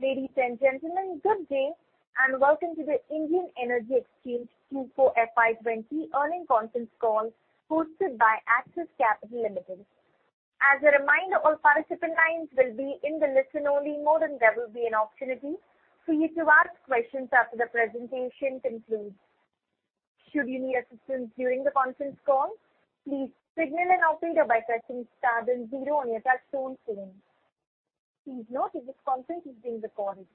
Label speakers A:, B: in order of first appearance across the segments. A: Ladies and gentlemen, good day and welcome to the Indian Energy Exchange Q4 FY20 earnings conference call hosted by Axis Capital Limited. As a reminder, all participant lines will be in the listen-only mode and there will be an opportunity for you to ask questions after the presentation concludes. Should you need assistance during the conference call, please signal an operator by pressing star then zero on your touch-tone phone. Please note that this conference is being recorded.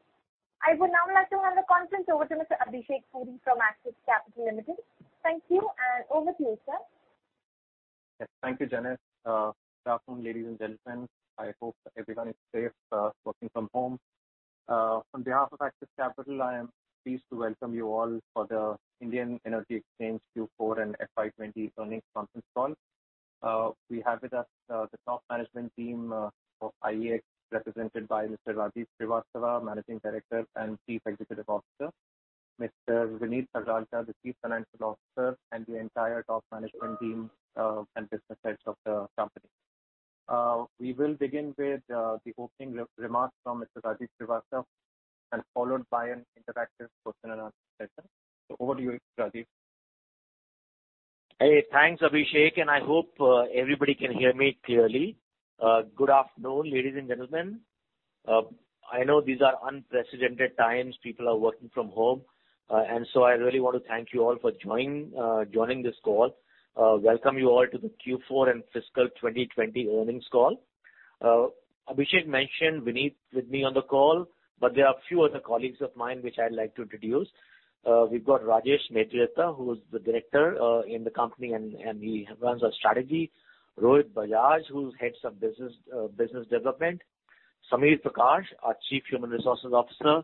A: I would now like to hand the conference over to Mr. Abhishek Puri from Axis Capital Limited. Thank you, and over to you, sir.
B: Yes. Thank you, Janice. Good afternoon, ladies and gentlemen. I hope everyone is safe, working from home. On behalf of Axis Capital, I am pleased to welcome you all for the Indian Energy Exchange Q4 and FY20 earnings conference call. We have with us the top management team of IEX, represented by Mr. Rajiv Srivastava, Managing Director and Chief Executive Officer, Mr. Vineet Harlalka, the Chief Financial Officer, and the entire top management team and business heads of the company. We will begin with the opening remarks from Mr. Rajiv Srivastava, and followed by an interactive question and answer session. Over to you, Rajiv.
C: Hey, thanks, Abhishek, and I hope everybody can hear me clearly. Good afternoon, ladies and gentlemen. I know these are unprecedented times. People are working from home. I really want to thank you all for joining this call. Welcome you all to the Q4 and fiscal 2020 earnings call. Abhishek mentioned Vineet with me on the call, but there are a few other colleagues of mine which I'd like to introduce. We've got Rajesh Mediratta, who is the Director in the company, and he runs our strategy. Rohit Bajaj, who heads up Business Development. Samir Prakash, our Chief Human Resources Officer.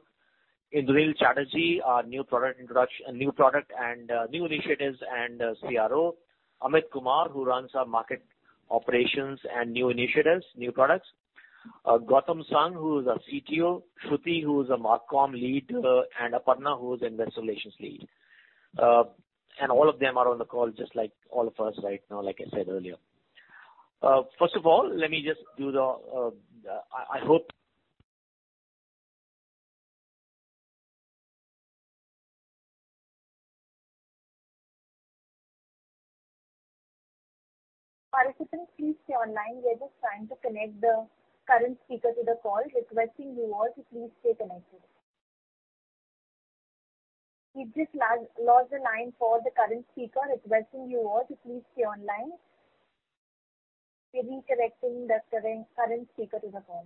C: Indranil Chatterjee, our new product initiatives and CRO. Amit Kumar, who runs our market operations and new initiatives, new products. Gautam Seth, who is our CTO, Shruti, who is our MarCom Lead, and Aparna, who is Investor Relations Lead. All of them are on the call just like all of us right now, like I said earlier.
A: Participants, please stay online. We are just trying to connect the current speaker to the call. Requesting you all to please stay connected. We just lost the line for the current speaker. Requesting you all to please stay online. We're reconnecting the current speaker to the call.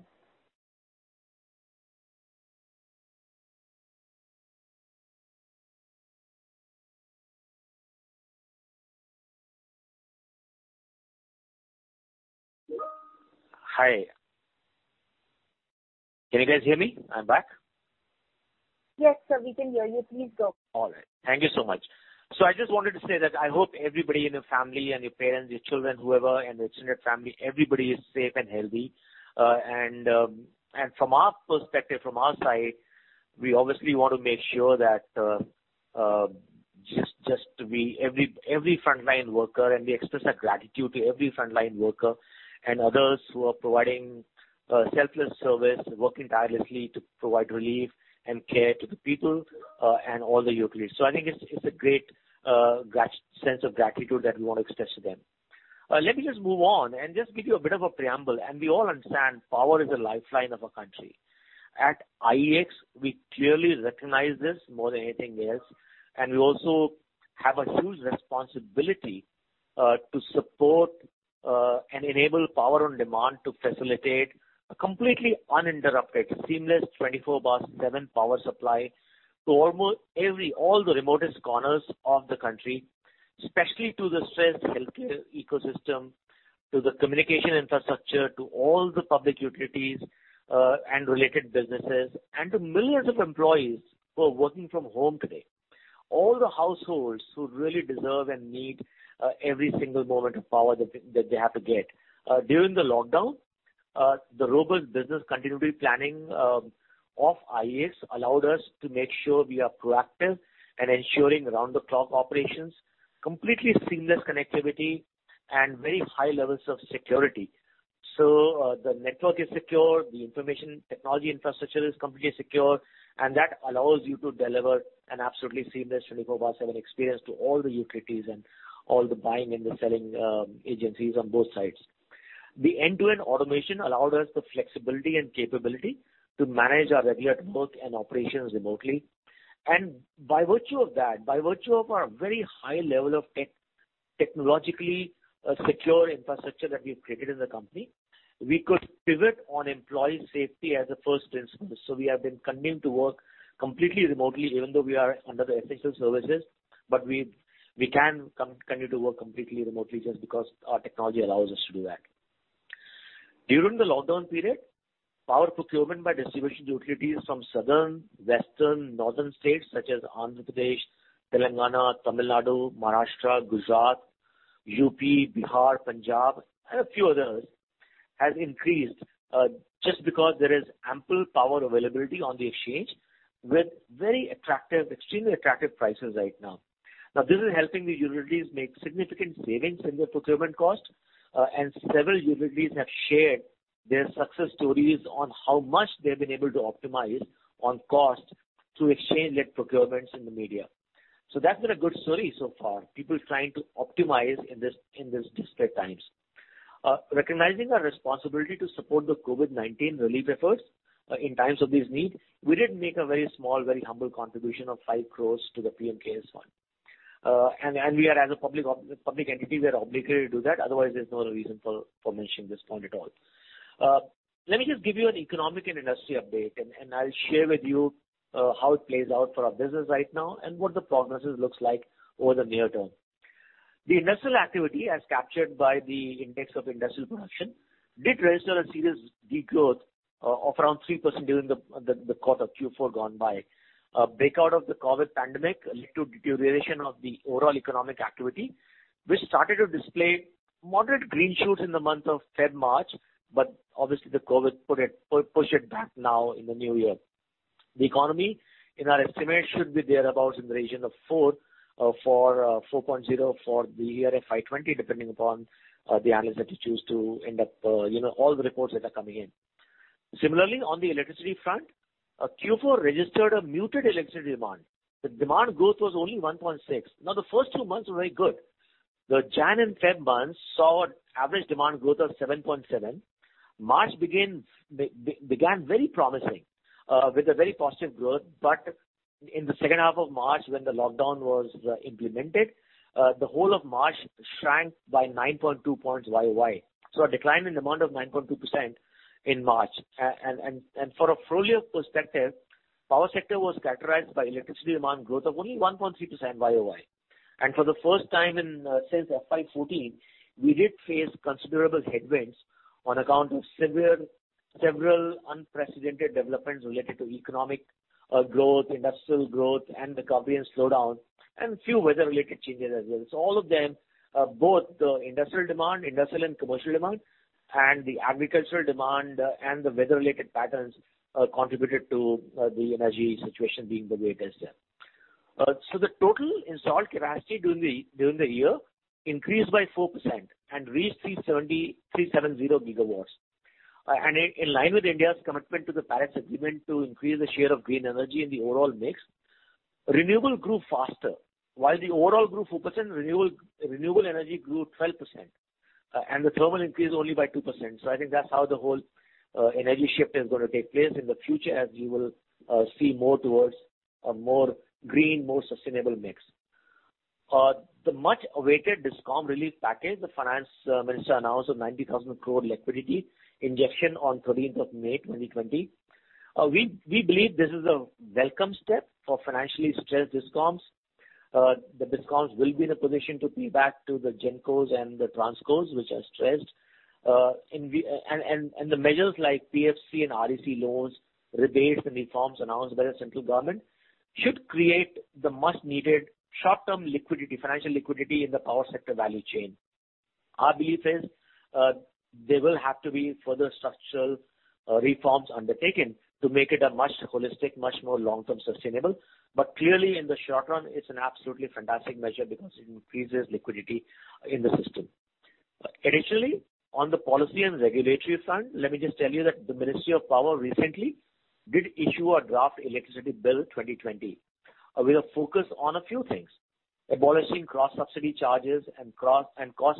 C: Hi. Can you guys hear me? I'm back.
A: Yes, sir, we can hear you. Please go on.
C: All right. Thank you so much. I just wanted to say that I hope everybody in your family and your parents, your children, whoever, and your extended family, everybody is safe and healthy. From our perspective, from our side, we obviously want to make sure that every frontline worker, and we express our gratitude to every frontline worker and others who are providing selfless service, working tirelessly to provide relief and care to the people, and all the utilities. I think it's a great sense of gratitude that we want to express to them. Let me just move on and just give you a bit of a preamble. We all understand power is the lifeline of a country. At IEX, we clearly recognize this more than anything else. We also have a huge responsibility to support and enable power on demand to facilitate a completely uninterrupted, seamless, 24 by 7 power supply to all the remotest corners of the country, especially to the stressed healthcare ecosystem, to the communication infrastructure, to all the public utilities, and related businesses, and to millions of employees who are working from home today. All the households who really deserve and need every single moment of power that they have to get. During the lockdown, the robust business continuity planning of IEX allowed us to make sure we are proactive and ensuring around-the-clock operations, completely seamless connectivity, and very high levels of security. The network is secure, the information technology infrastructure is completely secure, and that allows you to deliver an absolutely seamless 24 by 7 experience to all the utilities and all the buying and the selling agencies on both sides. The end-to-end automation allowed us the flexibility and capability to manage our remote work and operations remotely. By virtue of that, by virtue of our very high level of technologically secure infrastructure that we've created in the company, we could pivot on employee safety as a first instance. We have been continuing to work completely remotely, even though we are under the essential services, but we can continue to work completely remotely just because our technology allows us to do that. During the lockdown period, power procurement by distribution utilities from southern, western, northern states such as Andhra Pradesh, Telangana, Tamil Nadu, Maharashtra, Gujarat, UP, Bihar, Punjab, and a few others, has increased, just because there is ample power availability on the exchange with extremely attractive prices right now. This is helping the utilities make significant savings in their procurement cost, and several utilities have shared their success stories on how much they've been able to optimize on cost through exchange-led procurements in the media. That's been a good story so far, people trying to optimize in these disparate times. Recognizing our responsibility to support the COVID-19 relief efforts in times of this need, we did make a very small, very humble contribution of 5 crore to the PM CARES Fund. As a public entity, we are obligated to do that. Otherwise, there's no reason for mentioning this point at all. Let me just give you an economic and industry update, and I'll share with you how it plays out for our business right now and what the progress looks like over the near term. The industrial activity, as captured by the Index of Industrial Production, did register a serious decline of around 3% during the quarter Q4 gone by. Breakout of the COVID pandemic led to deterioration of the overall economic activity, which started to display moderate green shoots in the month of February, March. Obviously, the COVID pushed it back now in the new year. The economy, in our estimate, should be thereabout in the region of 4.0% for the year FY 2020, depending upon the analytics you choose to end up, all the reports that are coming in. Similarly, on the electricity front, Q4 registered a muted electricity demand. The demand growth was only 1.6. The Jan and Feb months saw an average demand growth of 7.7. March began very promising with a very positive growth. In the second half of March, when the lockdown was implemented, the whole of March shrank by 9.2 points YoY. A decline in demand of 9.2% in March. For a full year perspective, power sector was characterized by electricity demand growth of only 1.3% YoY. For the first time since FY 2014, we did face considerable headwinds on account of several unprecedented developments related to economic growth, industrial growth, and the comprehensive slowdown, and few weather-related changes as well. All of them, both the industrial demand, industrial and commercial demand, and the agricultural demand, and the weather-related patterns contributed to the energy situation being the way it is there. The total installed capacity during the year increased by 4% and reached 370 gigawatts. In line with India's commitment to the Paris Agreement to increase the share of green energy in the overall mix, renewable grew faster. While the overall grew 4%, renewable energy grew 12%, and the thermal increased only by 2%. I think that's how the whole energy shift is going to take place in the future, as we will see more towards a more green, more sustainable mix. The much-awaited Discom relief package, the Finance Minister announced an 90,000 crore liquidity injection on 13th of May 2020. We believe this is a welcome step for financially stressed Discoms. The Discoms will be in a position to pay back to the GenCos and the TransCos, which are stressed. The measures like PFC and REC loans, rebates, and reforms announced by the central government should create the much-needed short-term liquidity, financial liquidity in the power sector value chain. Our belief is there will have to be further structural reforms undertaken to make it a much holistic, much more long-term sustainable. Clearly, in the short run, it's an absolutely fantastic measure because it increases liquidity in the system. On the policy and regulatory front, let me just tell you that the Ministry of Power recently did issue a draft Electricity Bill 2020. We have focused on a few things, abolishing cross-subsidy charges and cost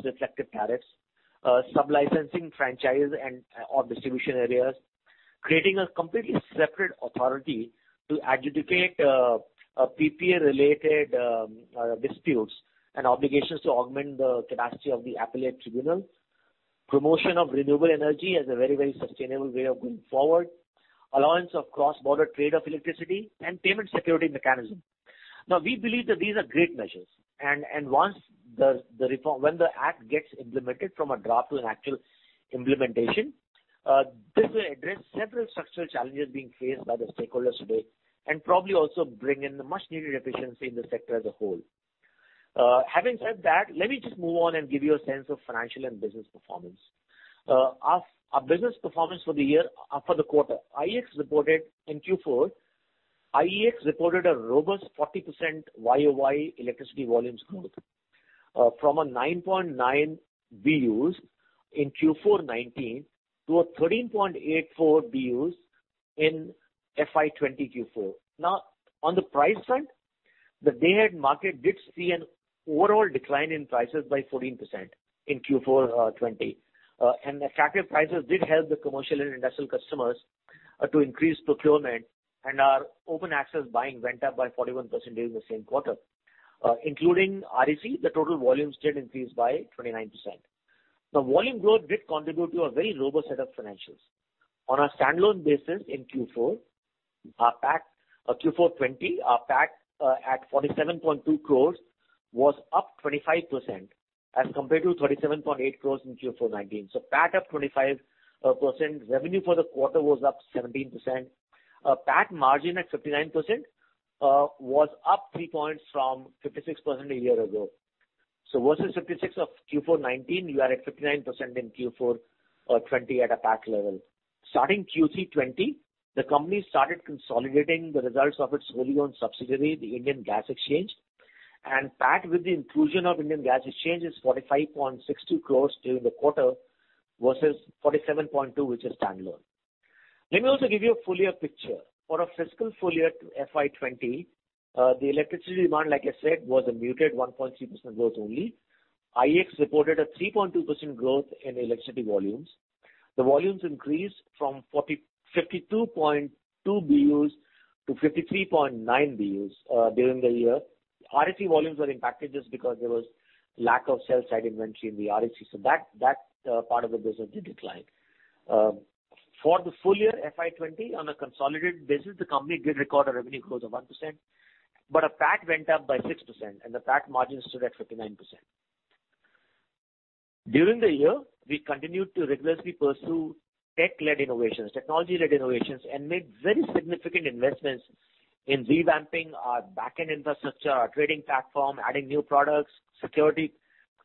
C: reflective tariffs, sub-licensing franchise or distribution areas, creating a completely separate authority to adjudicate PPA-related disputes and obligations to augment the capacity of the appellate tribunal, promotion of renewable energy as a very sustainable way of going forward, allowance of cross-border trade of electricity, and payment security mechanism. We believe that these are great measures. When the Act gets implemented from a draft to an actual implementation, this will address several structural challenges being faced by the stakeholders today and probably also bring in the much-needed efficiency in the sector as a whole. Having said that, let me just move on and give you a sense of financial and business performance. Our business performance for the quarter. In Q4, IEX reported a robust 40% YoY electricity volumes growth from 9.9 BUs in Q4 2019 to 13.84 BUs in FY 2020 Q4. On the price front, the day-ahead market did see an overall decline in prices by 14% in Q4 2020. Attractive prices did help the commercial and industrial customers to increase procurement and our open access buying went up by 41% during the same quarter. Including REC, the total volumes did increase by 29%. Volume growth did contribute to a very robust set of financials. On a standalone basis in Q4 2020, our PAT at 47.2 crores was up 25% as compared to 37.8 crores in Q4 2019. PAT up 25%, revenue for the quarter was up 17%. PAT margin at 59% was up three points from 56% a year ago. Versus 56 of Q4 19, you are at 59% in Q4 20 at a PAT level. Starting Q3 20, the company started consolidating the results of its wholly owned subsidiary, the Indian Gas Exchange, and PAT with the inclusion of Indian Gas Exchange is 45.62 crore during the quarter versus 47.2, which is standalone. Let me also give you a full year picture. For a fiscal full year FY 2020, the electricity demand, like I said, was a muted 1.3% growth only. IEX reported a 3.2% growth in electricity volumes. The volumes increased from 52.2 BUs to 53.9 BUs during the year. REC volumes were impacted just because there was lack of sell-side inventory in the REC, that part of the business did decline. For the full year FY 2020, on a consolidated basis, the company did record a revenue growth of 1%. Our PAT went up by 6% and the PAT margin stood at 59%. During the year, we continued to rigorously pursue technology-led innovations and made very significant investments in revamping our back-end infrastructure, our trading platform, adding new products, security,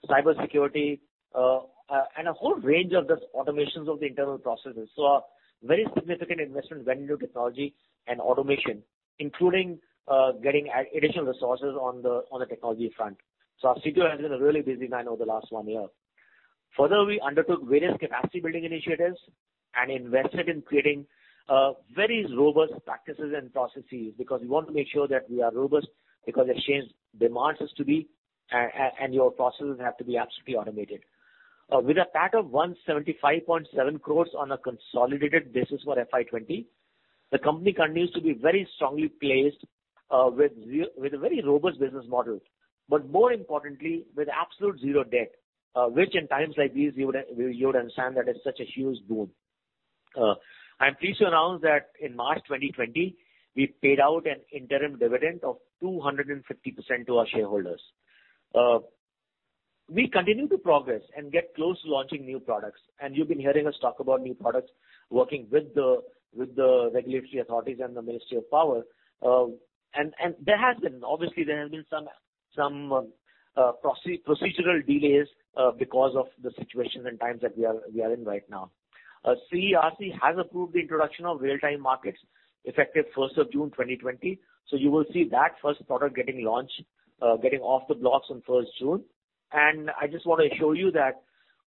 C: cyber security, and a whole range of those automations of the internal processes. A very significant investment went into technology and automation, including getting additional resources on the technology front. Our CTO has been a really busy man over the last one year. Further, we undertook various capacity building initiatives and invested in creating very robust practices and processes because we want to make sure that we are robust because Exchange demands us to be, and your processes have to be absolutely automated. With a PAT of 175.7 crores on a consolidated basis for FY 2020, the company continues to be very strongly placed, with a very robust business model. More importantly, with absolute zero debt, which in times like these, you would understand that is such a huge boon. I'm pleased to announce that in March 2020, we paid out an interim dividend of 250% to our shareholders. We continue to progress and get close to launching new products, you've been hearing us talk about new products, working with the regulatory authorities and the Ministry of Power. Obviously, there have been some procedural delays because of the situation and times that we are in right now. CERC has approved the introduction of real-time markets effective 1st of June 2020, you will see that first product getting off the blocks on 1st June. I just want to assure you that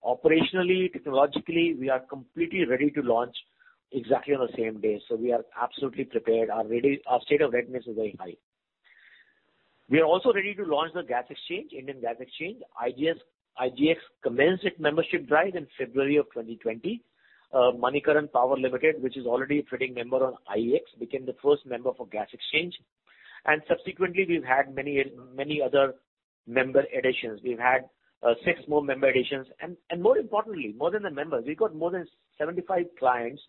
C: operationally, technologically, we are completely ready to launch exactly on the same day. We are absolutely prepared. Our state of readiness is very high. We are also ready to launch the gas exchange, Indian Gas Exchange. IGX commenced its membership drive in February of 2020. Manikaran Power Limited, which is already a trading member on IEX, became the first member for gas exchange, and subsequently, we've had many other member additions. We've had six more member additions, and more importantly, more than the members, we got more than 75 clients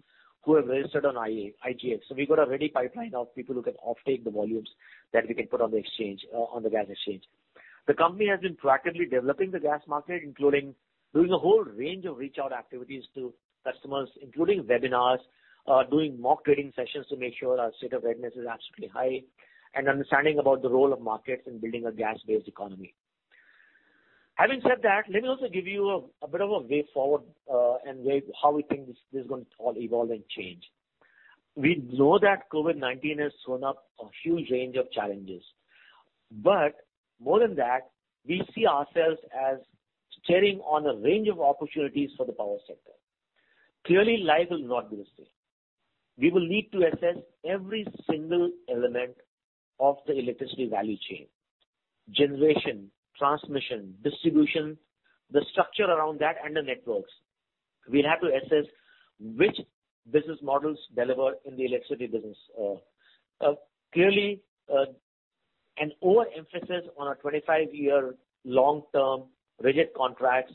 C: who have registered on IGX. We've got a ready pipeline of people who can offtake the volumes that we can put on the gas exchange. The company has been proactively developing the gas market, including doing a whole range of reach-out activities to customers, including webinars, doing mock trading sessions to make sure our state of readiness is absolutely high, and understanding about the role of markets in building a gas-based economy. Having said that, let me also give you a bit of a way forward, and how we think this is going to evolve and change. We know that COVID-19 has thrown up a huge range of challenges, but more than that, we see ourselves as steering on a range of opportunities for the power sector. Clearly, life will not be the same. We will need to assess every single element of the electricity value chain. Generation, transmission, distribution, the structure around that, and the networks. We'll have to assess which business models deliver in the electricity business. Clearly, an overemphasis on a 25-year long-term rigid contracts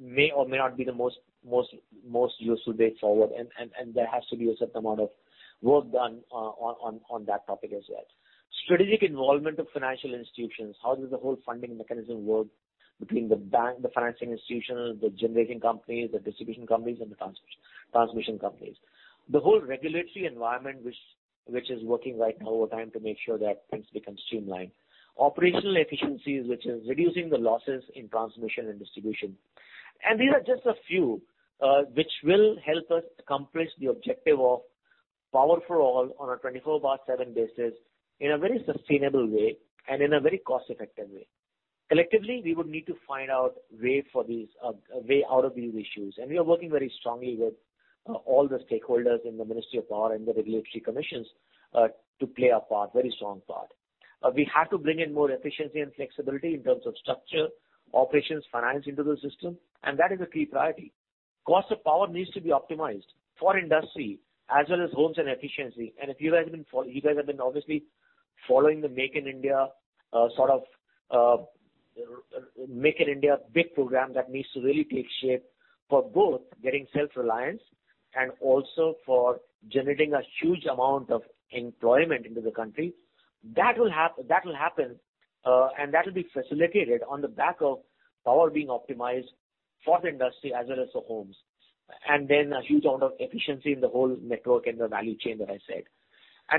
C: may or may not be the most useful way forward. There has to be a certain amount of work done on that topic as yet. Strategic involvement of financial institutions. How does the whole funding mechanism work between the bank, the financing institutions, the generating companies, the distribution companies, and the transmission companies? The whole regulatory environment which is working right now over time to make sure that things become streamlined. Operational efficiencies, which is reducing the losses in transmission and distribution. These are just a few, which will help us accomplish the objective of power for all on a 24/7 basis in a very sustainable way and in a very cost-effective way. Collectively, we would need to find out a way out of these issues, and we are working very strongly with all the stakeholders in the Ministry of Power and the regulatory commissions, to play our part, very strong part. We have to bring in more efficiency and flexibility in terms of structure, operations, finance into the system, and that is a key priority. Cost of power needs to be optimized for industry as well as homes and efficiency. If you guys have been obviously following the Make in India big program that needs to really take shape for both getting self-reliance and also for generating a huge amount of employment into the country. That will happen, and that will be facilitated on the back of power being optimized for industry as well as for homes. Then a huge amount of efficiency in the whole network and the value chain that I said.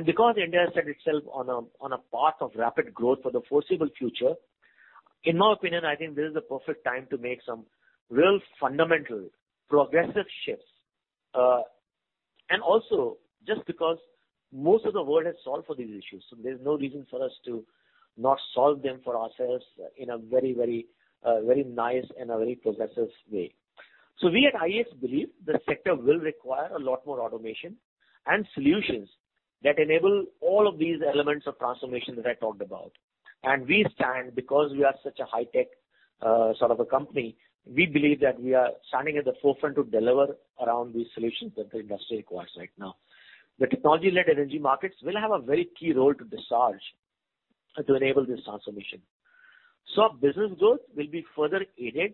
C: Because India has set itself on a path of rapid growth for the foreseeable future, in my opinion, I think this is the perfect time to make some real fundamental progressive shifts. Also, just because most of the world has solved for these issues, there's no reason for us to not solve them for ourselves in a very nice and a very progressive way. We at IEX believe the sector will require a lot more automation and solutions that enable all of these elements of transformation that I talked about. We stand because we are such a high-tech sort of a company, we believe that we are standing at the forefront to deliver around these solutions that the industry requires right now. The technology-led energy markets will have a very key role to discharge to enable this transformation. Business growth will be further aided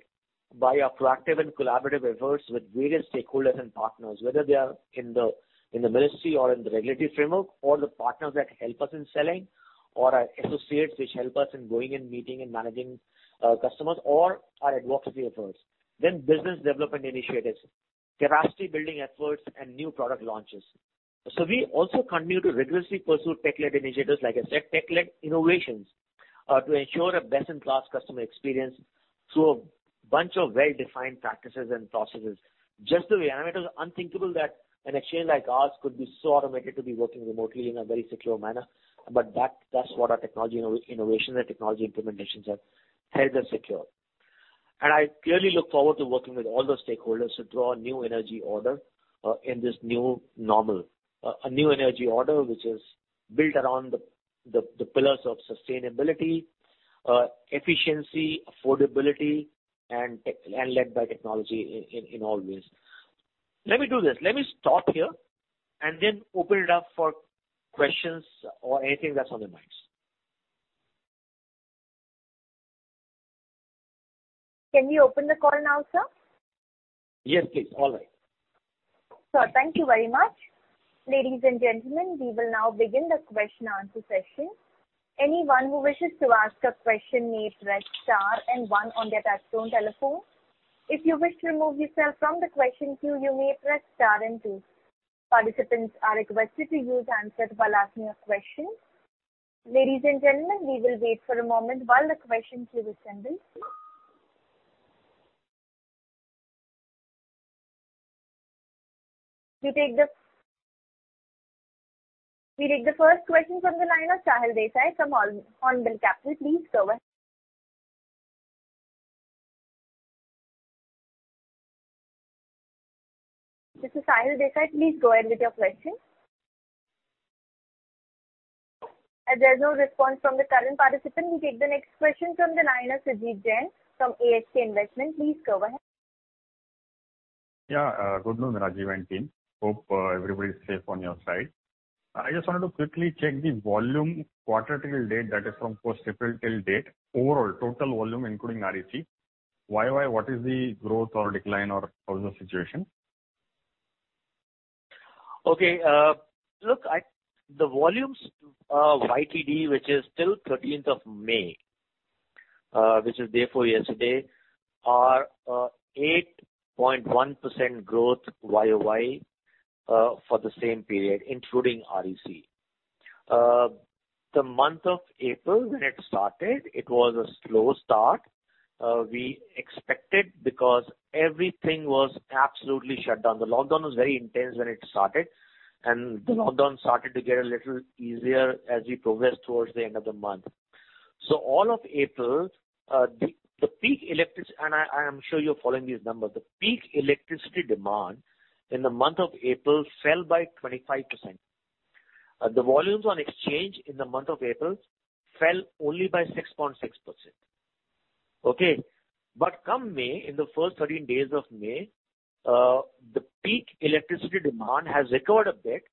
C: by our proactive and collaborative efforts with various stakeholders and partners, whether they are in the ministry or in the regulatory framework, or the partners that help us in selling, or our associates which help us in going and meeting and managing customers or our advocacy efforts. Business development initiatives, capacity building efforts, and new product launches. We also continue to rigorously pursue tech-led initiatives, like I said, tech-led innovations to ensure a best-in-class customer experience through a bunch of well-defined practices and processes. Just the way it was unthinkable that an exchange like ours could be so automated to be working remotely in a very secure manner. That's what our technology innovation and technology implementations have helped us secure. I clearly look forward to working with all the stakeholders to draw a new energy order in this new normal. A new energy order, which is built around the pillars of sustainability, efficiency, affordability, and led by technology in all ways. Let me do this. Let me stop here and then open it up for questions or anything that's on your minds.
A: Can we open the call now, sir?
C: Yes, please. All right.
A: Sir, thank you very much. Ladies and gentlemen, we will now begin the question and answer session. Anyone who wishes to ask a question may press star and one on their touchtone telephone. If you wish to remove yourself from the question queue, you may press star and two. Participants are requested to use hands-free while asking a question. Ladies and gentlemen, we will wait for a moment while the questions queue is ending. We take the first question from the line of Sahil Desai from Hornbill Capital. Please go ahead. Mr. Sahil Desai, please go ahead with your question. As there is no response from the current participant, we take the next question from the line of Sanjeev Jain from ASK Investment. Please go ahead.
D: Good morning, Rajiv and team. Hope everybody is safe on your side. I just wanted to quickly check the volume quarter till date, that is from post-April till date, overall total volume including REC. Why? What is the growth or decline or how is the situation?
C: The volumes YTD, which is till 13th of May, which is the day before yesterday, are 8.1% growth YoY for the same period, including REC. The month of April when it started, it was a slow start. We expected because everything was absolutely shut down. The lockdown was very intense when it started. The lockdown started to get a little easier as we progressed towards the end of the month. All of April, I am sure you're following these numbers. The peak electricity demand in the month of April fell by 25%. The volumes on exchange in the month of April fell only by 6.6%. Okay. Come May, in the first 13 days of May, the peak electricity demand has recovered a bit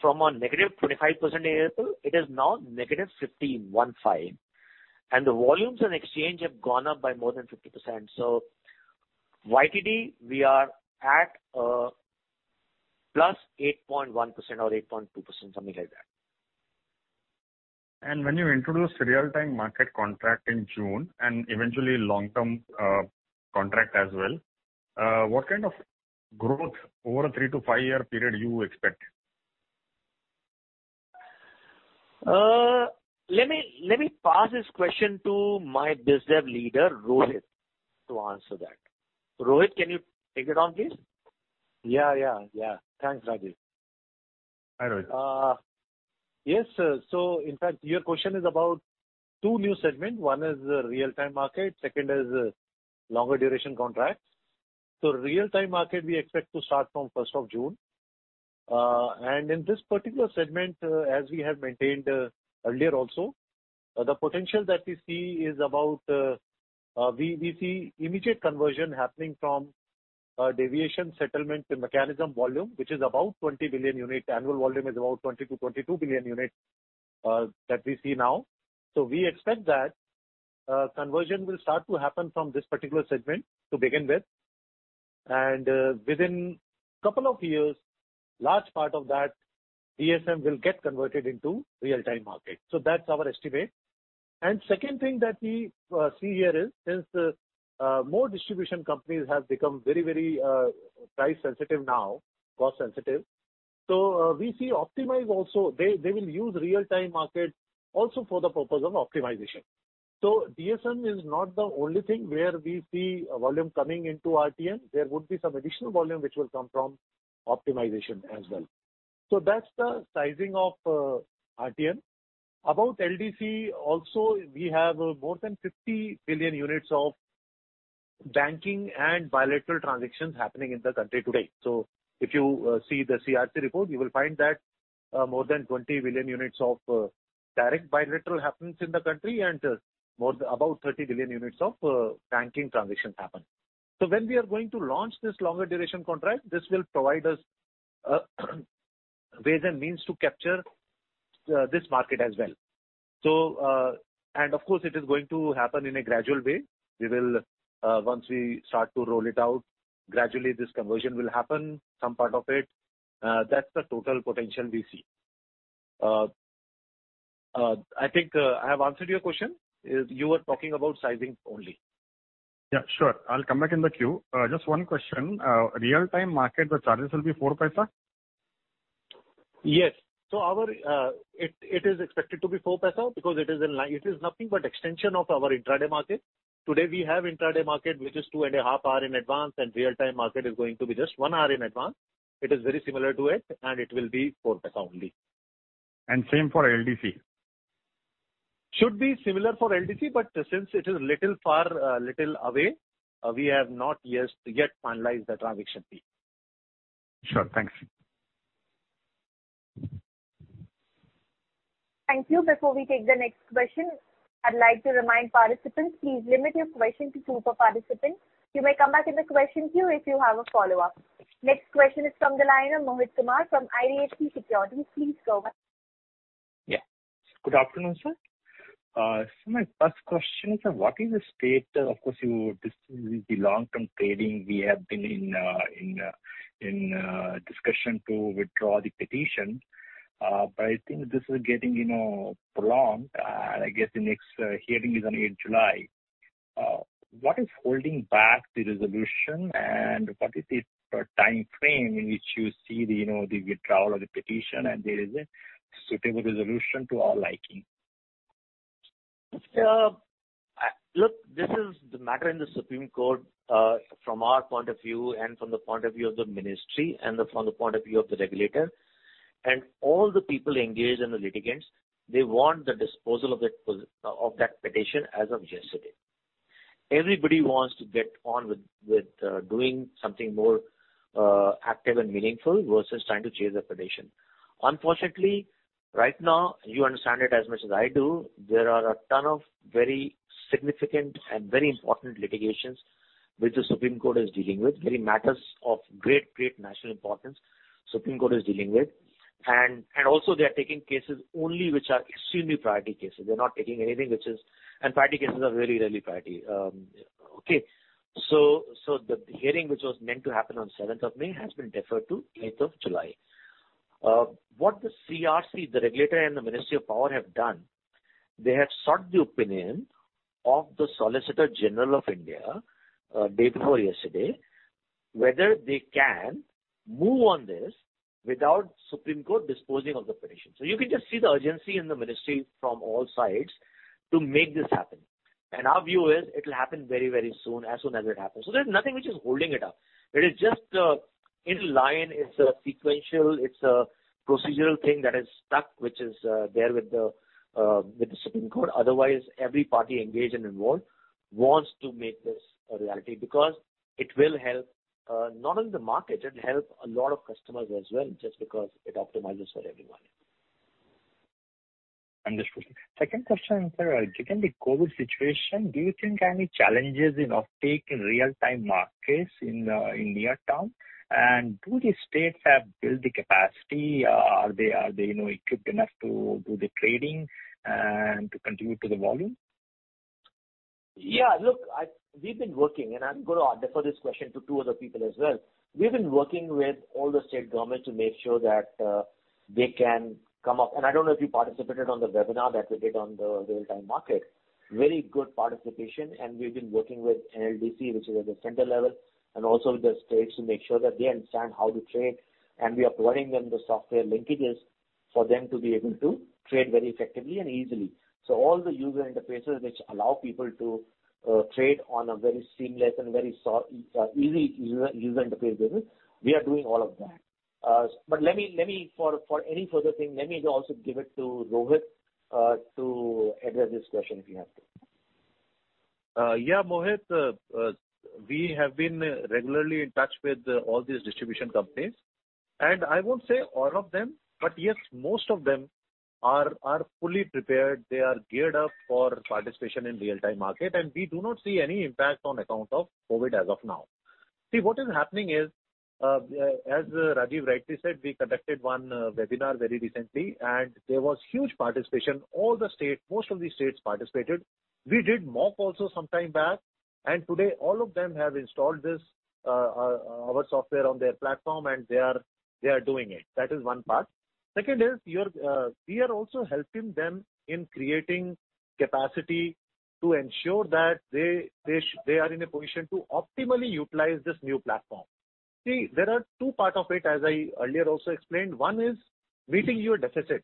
C: from a negative 25% in April. It is now negative 15, one five, and the volumes on Exchange have gone up by more than 50%, so YTD we are at a +8.1% or 8.2%, something like that.
D: When you introduce real-time market contract in June and eventually long-term contract as well, what kind of growth over a 3-5-year period you expect?
C: Let me pass this question to my bus dev leader, Rohit, to answer that. Rohit, can you take it on, please?
E: Yeah. Thanks, Rajiv.
D: Hi, Rohit.
E: Yes. In fact, your question is about two new segments. One is the Real-Time Market, second is longer duration contracts. Real-Time Market, we expect to start from 1st of June. In this particular segment, as we have maintained earlier also, the potential that we see is about we see immediate conversion happening from Deviation Settlement Mechanism volume, which is about 20 billion units. Annual volume is about 20 to 22 billion units that we see now. We expect that conversion will start to happen from this particular segment to begin with. Within couple of years, large part of that DSM will get converted into Real-Time Market. That's our estimate. Second thing that we see here is since more Distribution Companies have become very price sensitive now, cost sensitive. We see optimize also. They will use Real-Time Market also for the purpose of optimization. DSM is not the only thing where we see volume coming into RM. There would be some additional volume which will come from optimization as well. That’s the sizing of RM. About LDC also, we have more than 50 billion units of banking and bilateral transactions happening in the country today. If you see the CERC report, you will find that more than 20 billion units of direct bilateral happens in the country and about 30 billion units of banking transactions happen. When we are going to launch this longer duration contract, this will provide us ways and means to capture this market as well. Of course, it is going to happen in a gradual way. Once we start to roll it out, gradually this conversion will happen, some part of it. That’s the total potential we see. I think I have answered your question. You were talking about sizing only.
D: Yeah, sure. I’ll come back in the queue. Just one question. real-time market, the charges will be 0.04?
E: Yes. It is expected to be 0.04 because it is nothing but extension of our intra-day market. Today we have intra-day market, which is two and a half hour in advance, and real-time market is going to be just one hour in advance. It is very similar to it, and it will be INR 0.04 only.
D: Same for LDC?
E: Should be similar for LDC, but since it is little far, little away, we have not yet finalized the transaction fee.
D: Sure. Thanks.
A: Thank you. Before we take the next question, I’d like to remind participants, please limit your question to two per participant. You may come back in the question queue if you have a follow-up. Next question is from the line of Mohit Kumar from IDFC Securities. Please go ahead.
F: Yeah. Good afternoon, sir. My first question, sir: what is the state? Of course, this is the long-term trading we have been in discussion to withdraw the petition, but I think this is getting prolonged. I guess the next hearing is on eighth July. What is holding back the resolution, and what is the timeframe in which you see the withdrawal of the petition and there is a suitable resolution to our liking?
E: Look, this is the matter in the Supreme Court, from our point of view and from the point of view of the ministry and from the point of view of the regulator. All the people engaged in the litigants, they want the disposal of that petition as of yesterday. Everybody wants to get on with doing something more active and meaningful versus trying to chase a petition. Unfortunately, right now, you understand it as much as I do, there are a ton of very significant and very important litigations, which the Supreme Court is dealing with, very matters of great national importance Supreme Court is dealing with. Also they are taking cases only which are extremely priority cases. They’re not taking anything. Priority cases are very rarely priority. Okay. The hearing, which was meant to happen on seventh of May, has been deferred to eighth of July. What the CERC, the regulator, and the Ministry of Power have done, they have sought the opinion of the Solicitor General of India, day before yesterday, whether they can move on this without Supreme Court disposing of the petition. You can just see the urgency in the ministry from all sides to make this happen. Our view is it'll happen very soon, as soon as it happens. There's nothing which is holding it up. It is just in line. It's a sequential, it's a procedural thing that is stuck, which is there with the Supreme Court. Otherwise, every party engaged and involved wants to make this a reality because it will help not only the market, it’ll help a lot of customers as well, just because it optimizes for everyone.
F: Understood, sir. Second question, sir. Given the COVID situation, do you think any challenges in uptake in real-time markets in near term? Do the states have built the capacity? Are they equipped enough to do the trading and to contribute to the volume?
E: Yeah, look, we’ve been working. I’m going to defer this question to two other people as well. We’ve been working with all the state governments to make sure that they can come up. I don’t know if you participated on the webinar that we did on the real-time market. Very good participation. We’ve been working with NLDC, which is at the center level, and also with the states to make sure that they understand how to trade. We are providing them the software linkages for them to be able to trade very effectively and easily. All the user interfaces which allow people to trade on a very seamless and very easy user interface basis, we are doing all of that. For any further thing, let me also give it to Rohit to address this question if you have to. Yeah, Mohit, we have been regularly in touch with all these distribution companies, and I won't say all of them, but yes, most of them are fully prepared. They are geared up for participation in real-time market, and we do not see any impact on account of COVID as of now. See, what is happening is, as Rajiv rightly said, we conducted one webinar very recently, and there was huge participation. Most of the states participated. We did mock also some time back. Today, all of them have installed our software on their platform, and they are doing it. That is one part. Second is, we are also helping them in creating capacity to ensure that they are in a position to optimally utilize this new platform. See, there are two part of it, as I earlier also explained. One is meeting your deficit.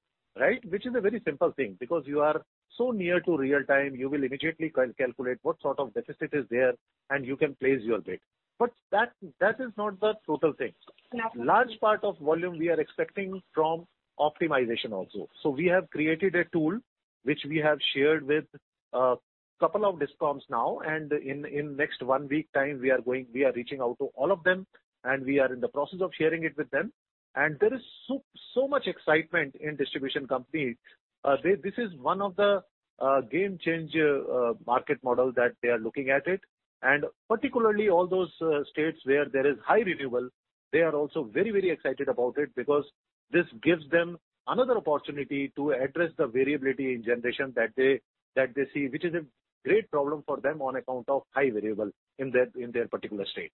E: Which is a very simple thing, because you are so near to real-time, you will immediately calculate what sort of deficit is there, and you can place your bid. That is not the total thing. No. Large part of volume we are expecting from optimization also. We have created a tool which we have shared with a couple of Discoms now, and in next one week time, we are reaching out to all of them, and we are in the process of sharing it with them. There is so much excitement in distribution companies. This is one of the game changer market model that they are looking at it. Particularly all those states where there is high renewable, they are also very excited about it because this gives them another opportunity to address the variability in generation that they see, which is a great problem for them on account of high variable in their particular state.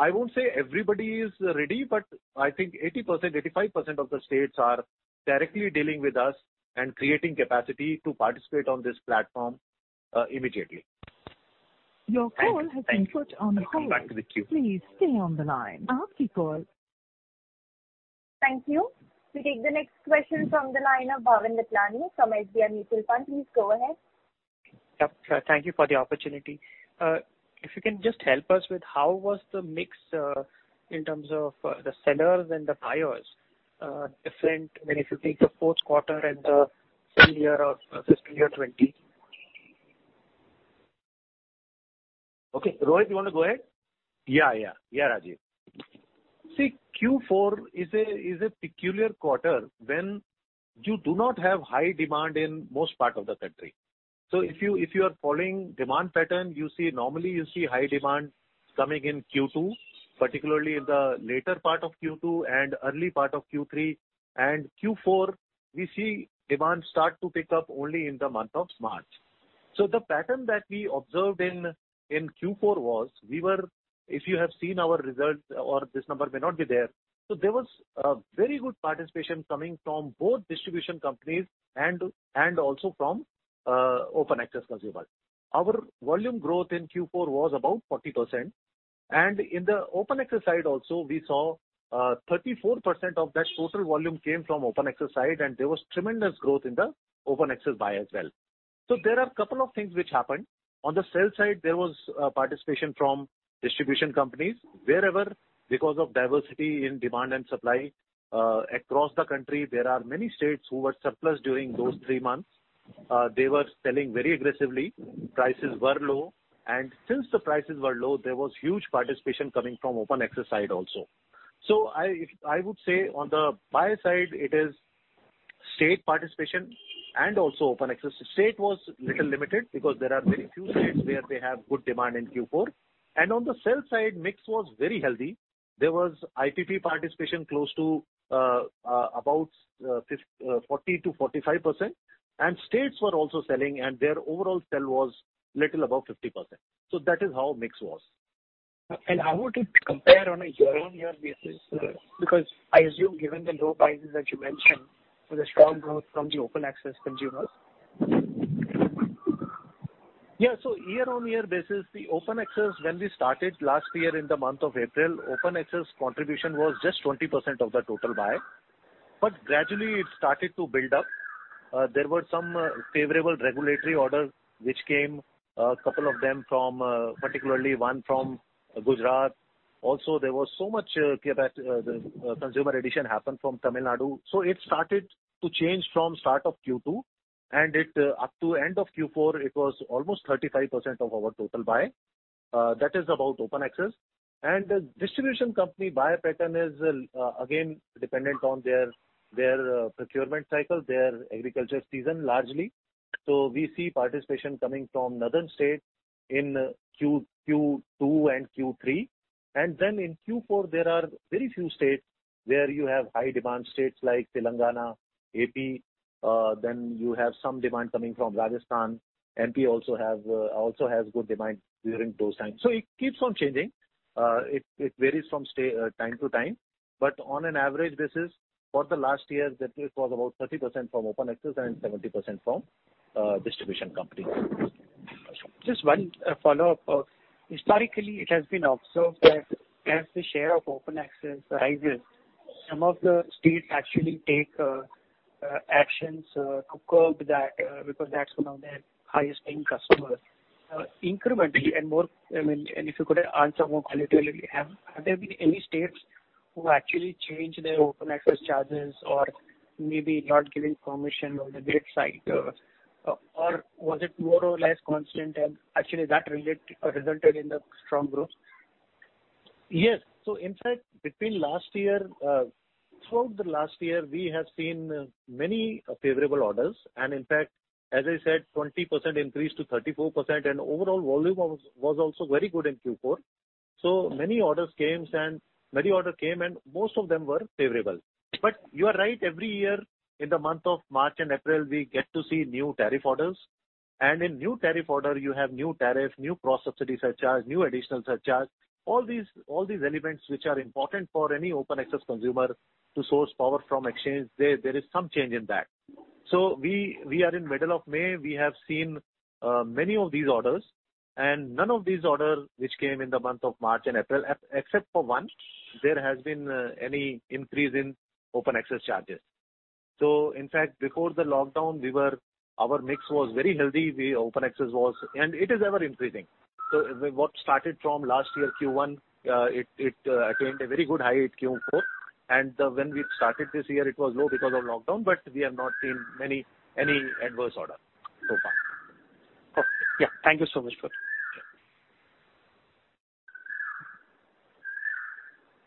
E: I won't say everybody is ready, but I think 80%, 85% of the states are directly dealing with us and creating capacity to participate on this platform immediately.
F: Your call has been put on hold. Thank you. Will talk back with you.
A: Please stay on the line. Thank you. We take the next question from the line of Bhavin Vithlani from SBI Mutual Fund. Please go ahead.
G: Yep. Thank you for the opportunity. If you can just help us with how was the mix in terms of the sellers and the buyers, different, I mean if you take the fourth quarter and the same year of fiscal year '20?
E: Okay. Rohit, you want to go ahead? Yeah, Rajiv. Q4 is a peculiar quarter when you do not have high demand in most part of the country. If you are following demand pattern, normally you see high demand coming in Q2, particularly in the later part of Q2 and early part of Q3. Q4, we see demand start to pick up only in the month of March. The pattern that we observed in Q4 was, if you have seen our results or this number may not be there. There was a very good participation coming from both distribution companies and also from open access consumers. Our volume growth in Q4 was about 40%, and in the open access side also, we saw 34% of that total volume came from open access side, and there was tremendous growth in the open access buy as well. There are a couple of things which happened. On the sell side, there was participation from distribution companies wherever, because of diversity in demand and supply across the country, there are many states who were surplus during those three months. They were selling very aggressively. Prices were low. Since the prices were low, there was huge participation coming from open access side also. I would say on the buyer side, it is state participation and also open access. State was little limited because there are very few states where they have good demand in Q4. On the sell side, mix was very healthy. There was IPP participation close to about 40%-45%, and states were also selling, and their overall sell was little above 50%. That is how mix was.
G: How would it compare on a year-on-year basis? Because I assume given the low prices that you mentioned, there was a strong growth from the open access consumers.
E: Year-on-year basis, the open access, when we started last year in the month of April, open access contribution was just 20% of the total buy. Gradually it started to build up. There were some favorable regulatory orders which came, a couple of them from, particularly one from Gujarat. Also there was so much consumer addition happened from Tamil Nadu. It started to change from start of Q2, and up to end of Q4, it was almost 35% of our total buy. That is about open access. Distribution Company buyer pattern is again dependent on their procurement cycle, their agriculture season, largely. We see participation coming from northern states in Q2 and Q3. In Q4, there are very few states where you have high demand states like Telangana, AP, then you have some demand coming from Rajasthan. MP also has good demand during those times. It keeps on changing. It varies from time to time. On an average basis, for the last year, that was about 30% from open access and 70% from distribution companies.
G: Just one follow-up. Historically, it has been observed that as the share of open access rises, some of the states actually take actions to curb that because that's one of their highest paying customers. Incrementally, if you could answer more qualitatively, have there been any states who actually changed their open access charges or maybe not giving permission on the bid side? Or was it more or less constant and actually that resulted in the strong growth?
E: Yes. Throughout the last year, we have seen many favorable orders, and in fact, as I said, 20% increase to 34%, and overall volume was also very good in Q4. Many orders came, and most of them were favorable. You are right, every year in the month of March and April, we get to see new tariff orders. In new tariff order, you have new tariff, new cross-subsidy surcharge, new additional surcharge. All these elements which are important for any open access consumer to source power from exchange, there is some change in that. We are in middle of May. We have seen many of these orders, and none of these orders which came in the month of March and April, except for one, there has been any increase in open access charges. In fact, before the lockdown, our mix was very healthy. The open access. It is ever-increasing. What started from last year Q1, it attained a very good high at Q4, and when we started this year, it was low because of lockdown, but we have not seen any adverse order so far. Perfect. Yeah. Thank you so much, sir. Okay.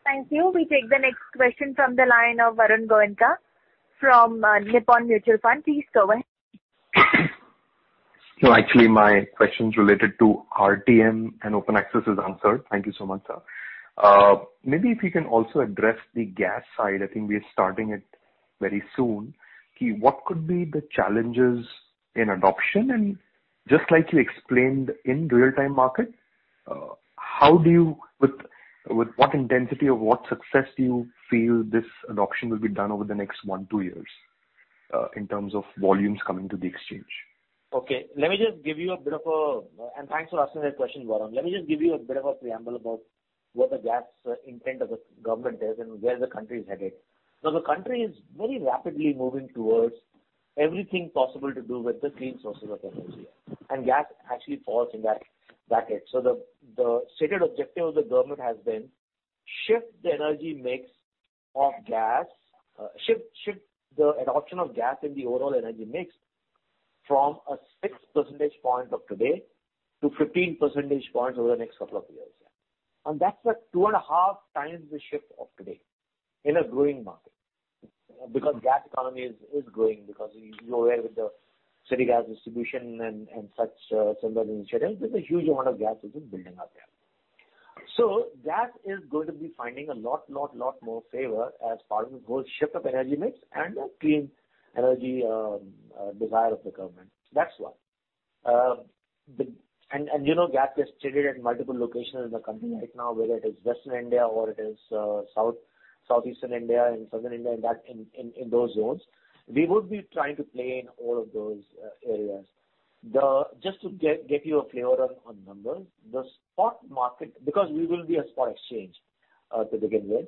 A: Thank you. We take the next question from the line of Varun Goenka from Nippon Mutual Fund. Please go ahead.
H: Actually, my questions related to RTM and open access is answered. Thank you so much, sir. Maybe if you can also address the gas side, I think we are starting it very soon. What could be the challenges in adoption? Just like you explained in real-time market, with what intensity or what success do you feel this adoption will be done over the next one, two years, in terms of volumes coming to the exchange?
E: Okay. Thanks for asking that question, Varun. Now, the country is very rapidly moving towards everything possible to do with the clean sources of energy, and gas actually falls in that bracket. The stated objective of the government has been, shift the adoption of gas in the overall energy mix from a six percentage point of today to 15 percentage points over the next couple of years. That's at two and a half times the shift of today in a growing market. Because gas economy is growing because you're aware with the city gas distribution and such similar initiatives, there's a huge amount of gas which is building up there. Gas is going to be finding a lot more favor as part of the whole shift of energy mix and the clean energy desire of the government. That's one. Gas is traded at multiple locations in the country right now, whether it is Western India or it is Southeastern India and Southern India, in those zones. We would be trying to play in all of those areas. Just to get you a flavor on numbers, because we will be a spot exchange to begin with,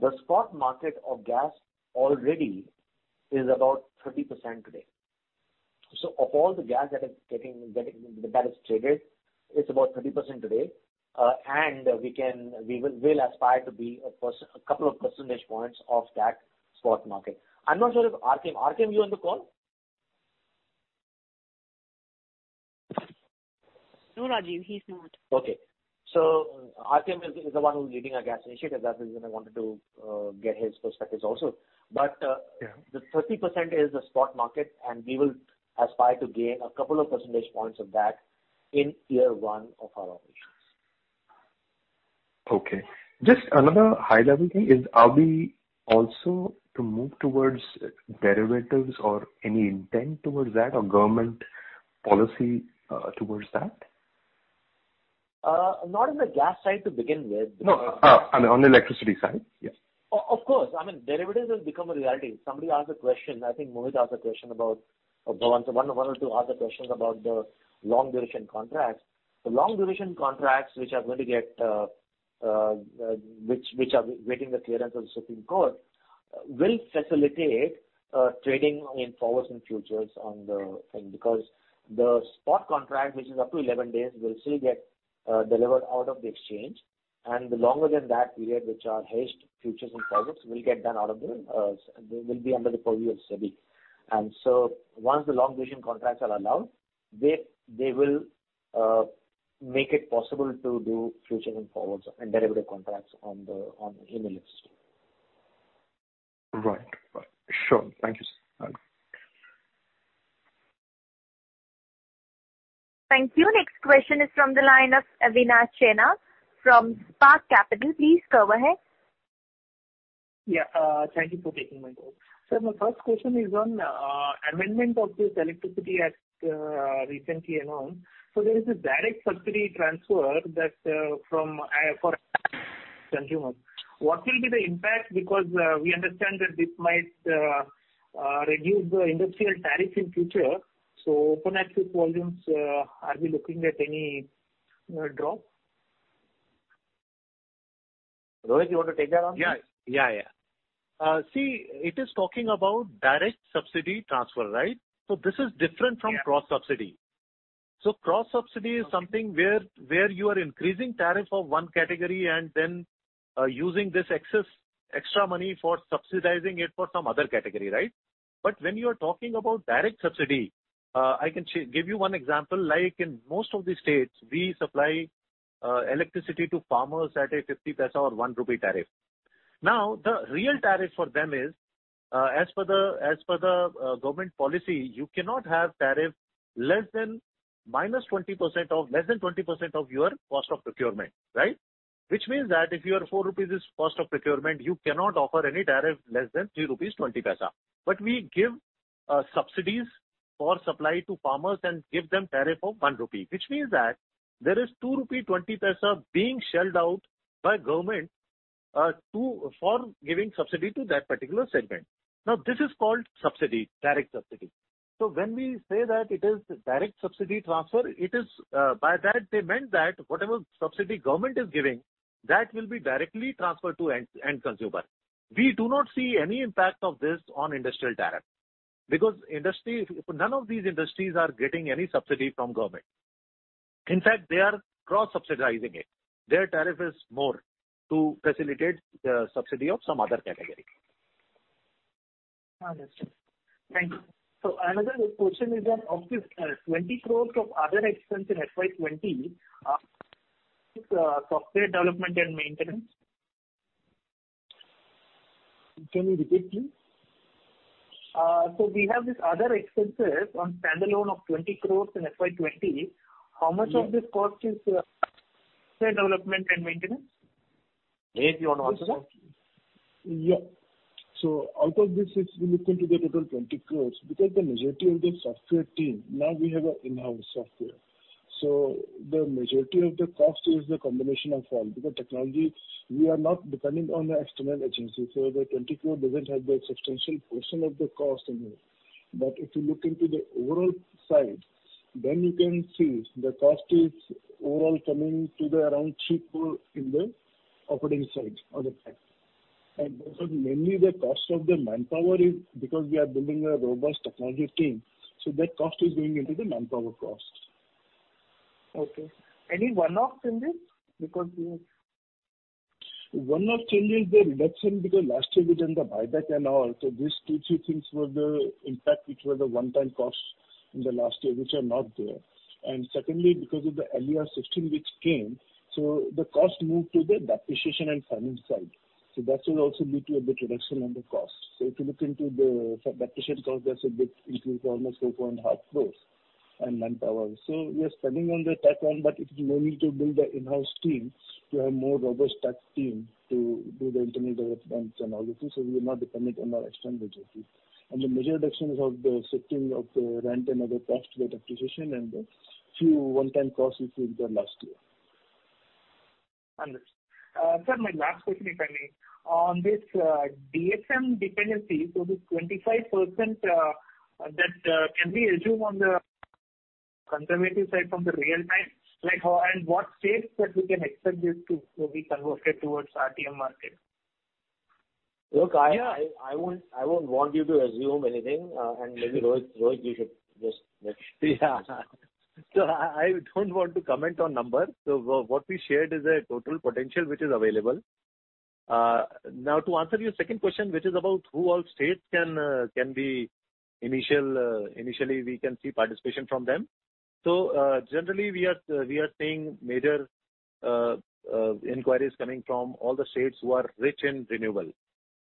E: the spot market of gas already is about 30% today. Of all the gas that is traded, it's about 30% today. We will aspire to be a couple of percentage points of that spot market. I'm not sure if RTM, you on the call?
A: No, Rajiv, he's not.
E: Okay. RTM is the one who's leading our gas initiative. That's the reason I wanted to get his perspectives also.
H: Yeah.
E: The 30% is the spot market, and we will aspire to gain a couple of percentage points of that in year one of our operations.
H: Okay. Just another high-level thing is, are we also to move towards derivatives or any intent towards that or government policy towards that?
E: Not on the gas side to begin with.
H: No. On the electricity side. Yes.
E: Of course. Derivatives has become a reality. Somebody asked a question, I think Mohit asked a question about, or one or two other questions about the long-duration contracts. The long-duration contracts which are waiting the clearance of the Supreme Court will facilitate trading in forwards and futures on the thing, because the spot contract, which is up to 11 days, will still get delivered out of the exchange. The longer than that period, which are hedged futures and forwards will be under the purview of SEBI. Once the long-duration contracts are allowed, they will make it possible to do future and forwards and derivative contracts in electricity.
H: Right. Sure. Thank you, sir.
A: Thank you. Next question is from the line of Avinash Chandra from Spark Capital. Please go ahead.
I: Thank you for taking my call. Sir, my first question is on amendment of this Electricity Act recently announced. There is a direct subsidy transfer for consumers. What will be the impact? We understand that this might reduce the industrial tariff in future. Open access volumes, are we looking at any drop?
E: Rohit, you want to take that one? Yeah. See, it is talking about direct subsidy transfer, right? this is different from-
I: Yeah
E: cross-subsidy. cross-subsidy is something where you are increasing tariff of one category and then using this extra money for subsidizing it for some other category, right? When you are talking about direct subsidy, I can give you one example. Like in most of the states, we supply electricity to farmers at a 0.50 or 1 rupee tariff. Now, the real tariff for them is, as per the government policy, you cannot have tariff less than -20% of less than 20% of your cost of procurement. Which means that if your 4 rupees is cost of procurement, you cannot offer any tariff less than 3.20 rupees. We give subsidies for supply to farmers and give them tariff of 1 rupee, which means that there is 2.20 rupee being shelled out by government for giving subsidy to that particular segment. This is called subsidy, direct subsidy. When we say that it is direct subsidy transfer, by that they meant that whatever subsidy government is giving, that will be directly transferred to end consumer. We do not see any impact of this on industrial tariff, because none of these industries are getting any subsidy from government. In fact, they are cross-subsidizing it. Their tariff is more to facilitate the subsidy of some other category.
I: Understood. Thank you. Another question is on, of this 20 crores of other expense in FY 2020, software development and maintenance.
J: Can you repeat, please?
I: We have these other expenses on standalone of 20 crores in FY 2020. How much of this cost is development and maintenance?
E: May you want to answer that?
J: Yeah. Out of this, if you look into the total 20 crore, because the majority of the software team, now we have an in-house software. The majority of the cost is the combination of all, because technology, we are not depending on the external agency. The 20 crore doesn't have the substantial portion of the cost in it. If you look into the overall side, then you can see the cost is overall coming to around INR 3 crore in the operating side. Because mainly the cost of the manpower is because we are building a robust technology team, so that cost is going into the manpower cost.
I: Okay. Any one-off changes?
J: One-off change is the reduction because last year we did the buyback and all. These two, three things were the impact, which were the one-time cost in the last year, which are not there. Secondly, because of the lease system which came, so the cost moved to the depreciation and finance side. That will also lead to a bit reduction on the cost. If you look into the depreciation cost, that's a bit increase, almost 4.5 crores and manpower. We are spending on the tech arm, but it is mainly to build an in-house team to have more robust tech team to do the internal developments and all the things, so we are not dependent on our external agencies. The major reduction is of the shifting of the rent and other cost, that depreciation and the few one-time costs we faced the last year.
I: Understood. Sir, my last question, if I may. On this DSM dependency, this 25% that can be assumed on the conservative side from the real-time, and what states that we can expect this to be converted towards RTM market?
E: I won't want you to assume anything. I don't want to comment on numbers. What we shared is a total potential which is available. To answer your second question, which is about who all states can be initially we can see participation from them. Generally, we are seeing major inquiries coming from all the states who are rich in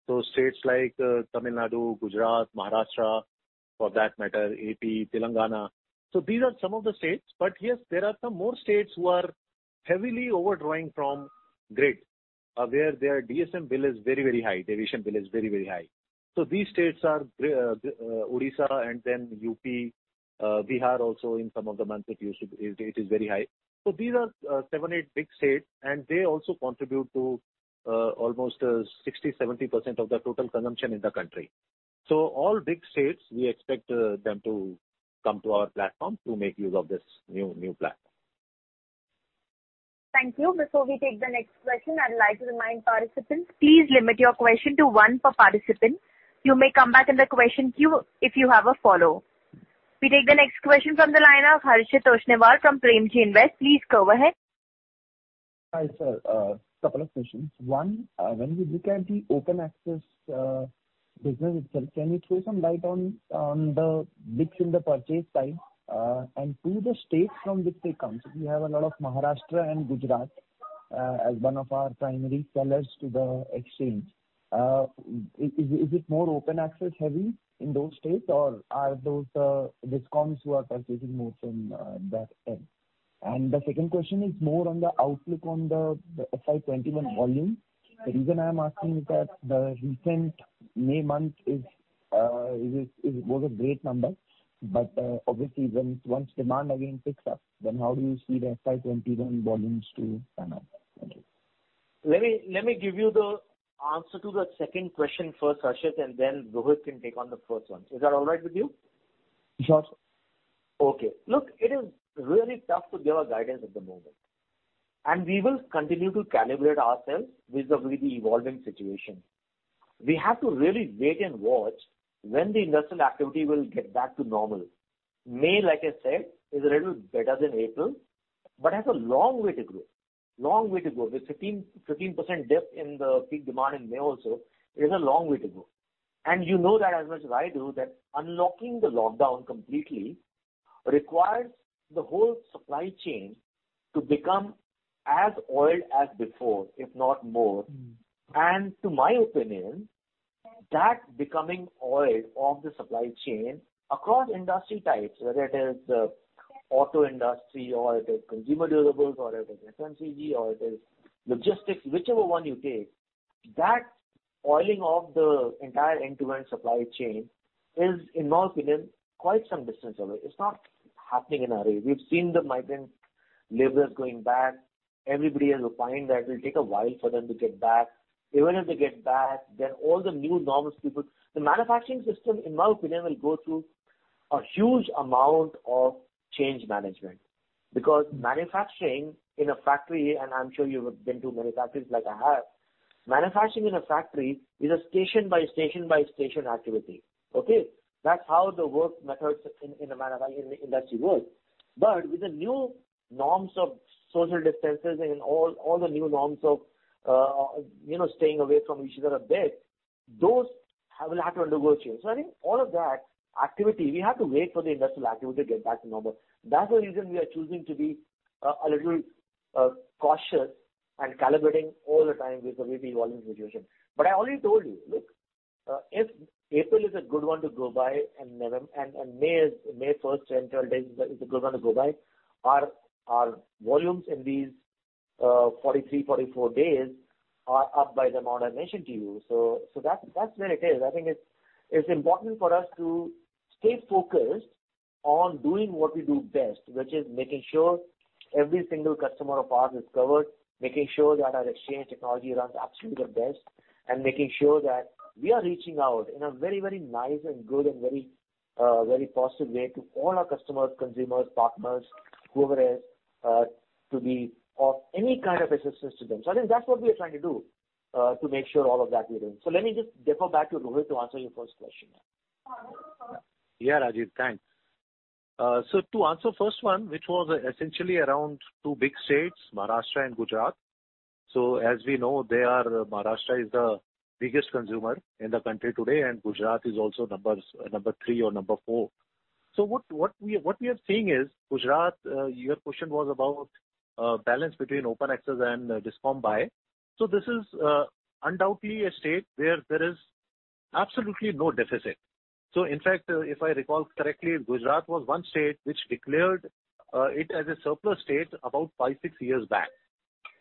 E: renewable. States like Tamil Nadu, Gujarat, Maharashtra, for that matter, AP, Telangana. These are some of the states. Yes, there are some more states who are heavily overdrawing from grid, where their DSM bill is very, very high, deviation bill is very, very high. These states are Odisha and UP, Bihar also in some of the months it is very high. These are seven, eight big states, and they also contribute to almost 60%, 70% of the total consumption in the country. All big states, we expect them to come to our platform to make use of this new platform. Thank you. Before we take the next question, I'd like to remind participants, please limit your question to one per participant. You may come back in the question queue if you have a follow. We take the next question from the line of Harshit Toshniwal from Premji Invest. Please go ahead.
K: Hi, sir. A couple of questions. One, when we look at the open access business itself, can you throw some light on the mix in the purchase side, and two, the states from which they come. We have a lot of Maharashtra and Gujarat as one of our primary sellers to the exchange. Is it more open access heavy in those states, or are those DISCOMs who are purchasing more from that end? The second question is more on the outlook on the FY 2021 volume. The reason I'm asking is that the recent May month was a great number, obviously once demand again picks up, then how do you see the FY 2021 volumes to pan out? Thank you.
C: Let me give you the answer to the second question first, Harshit, and then Rohit can take on the first one. Is that all right with you?
K: Sure, sir.
C: Okay. Look, it is really tough to give a guidance at the moment, and we will continue to calibrate ourselves with the evolving situation. We have to really wait and watch when the industrial activity will get back to normal. May, like I said, is a little better than April, but has a long way to go. Long way to go. The 15% dip in the peak demand in May also is a long way to go. You know that as much as I do, that unlocking the lockdown completely Requires the whole supply chain to become as oiled as before, if not more. To my opinion, that becoming oiled of the supply chain across industry types, whether it is auto industry or it is consumer durables, or it is FMCG, or it is logistics, whichever one you take, that oiling of the entire end-to-end supply chain is, in my opinion, quite some distance away. It's not happening in a hurry. We've seen the migrant laborers going back. Everybody has a point that it will take a while for them to get back. Even if they get back, then all the new norms. The manufacturing system, in my opinion, will go through a huge amount of change management. Because manufacturing in a factory, and I'm sure you've been to many factories like I have, manufacturing in a factory is a station by station by station activity. Okay? That's how the work methods in the industry work. With the new norms of social distances and all the new norms of staying away from each other a bit, those will have to undergo change. I think all of that activity, we have to wait for the industrial activity to get back to normal. That's the reason we are choosing to be a little cautious and calibrating all the time with the evolving situation. I already told you, look, if April is a good one to go by, and May 1st to 10-12 days is a good one to go by, our volumes in these 43-44 days are up by the amount I mentioned to you. That's where it is. I think it's important for us to stay focused on doing what we do best, which is making sure every single customer of ours is covered, making sure that our exchange technology runs absolutely the best, and making sure that we are reaching out in a very nice and good and very positive way to all our customers, consumers, partners, whoever it is, to be of any kind of assistance to them. I think that's what we are trying to do, to make sure all of that we're doing. Let me just defer back to Rohit to answer your first question.
E: Yeah, Rajeev. Thanks. To answer first one, which was essentially around two big states, Maharashtra and Gujarat. As we know, Maharashtra is the biggest consumer in the country today, and Gujarat is also number 3 or number 4. What we are seeing is, Gujarat, your question was about balance between open access and Discom buy. This is undoubtedly a state where there is absolutely no deficit. In fact, if I recall correctly, Gujarat was one state which declared it as a surplus state about five, six years back.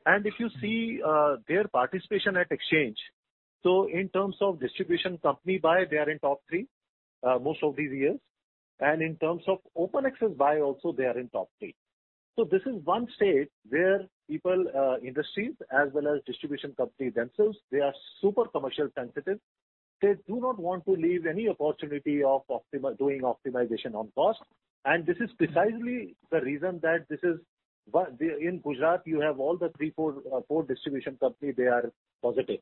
E: If you see their participation at exchange, in terms of Distribution Company buy, they are in top 3 most of these years. In terms of open access buy also they are in top 3. This is one state where people, industries, as well as Distribution Company themselves, they are super commercial sensitive. They do not want to leave any opportunity of doing optimization on cost. This is precisely the reason that in Gujarat, you have all the three, four distribution company, they are positive.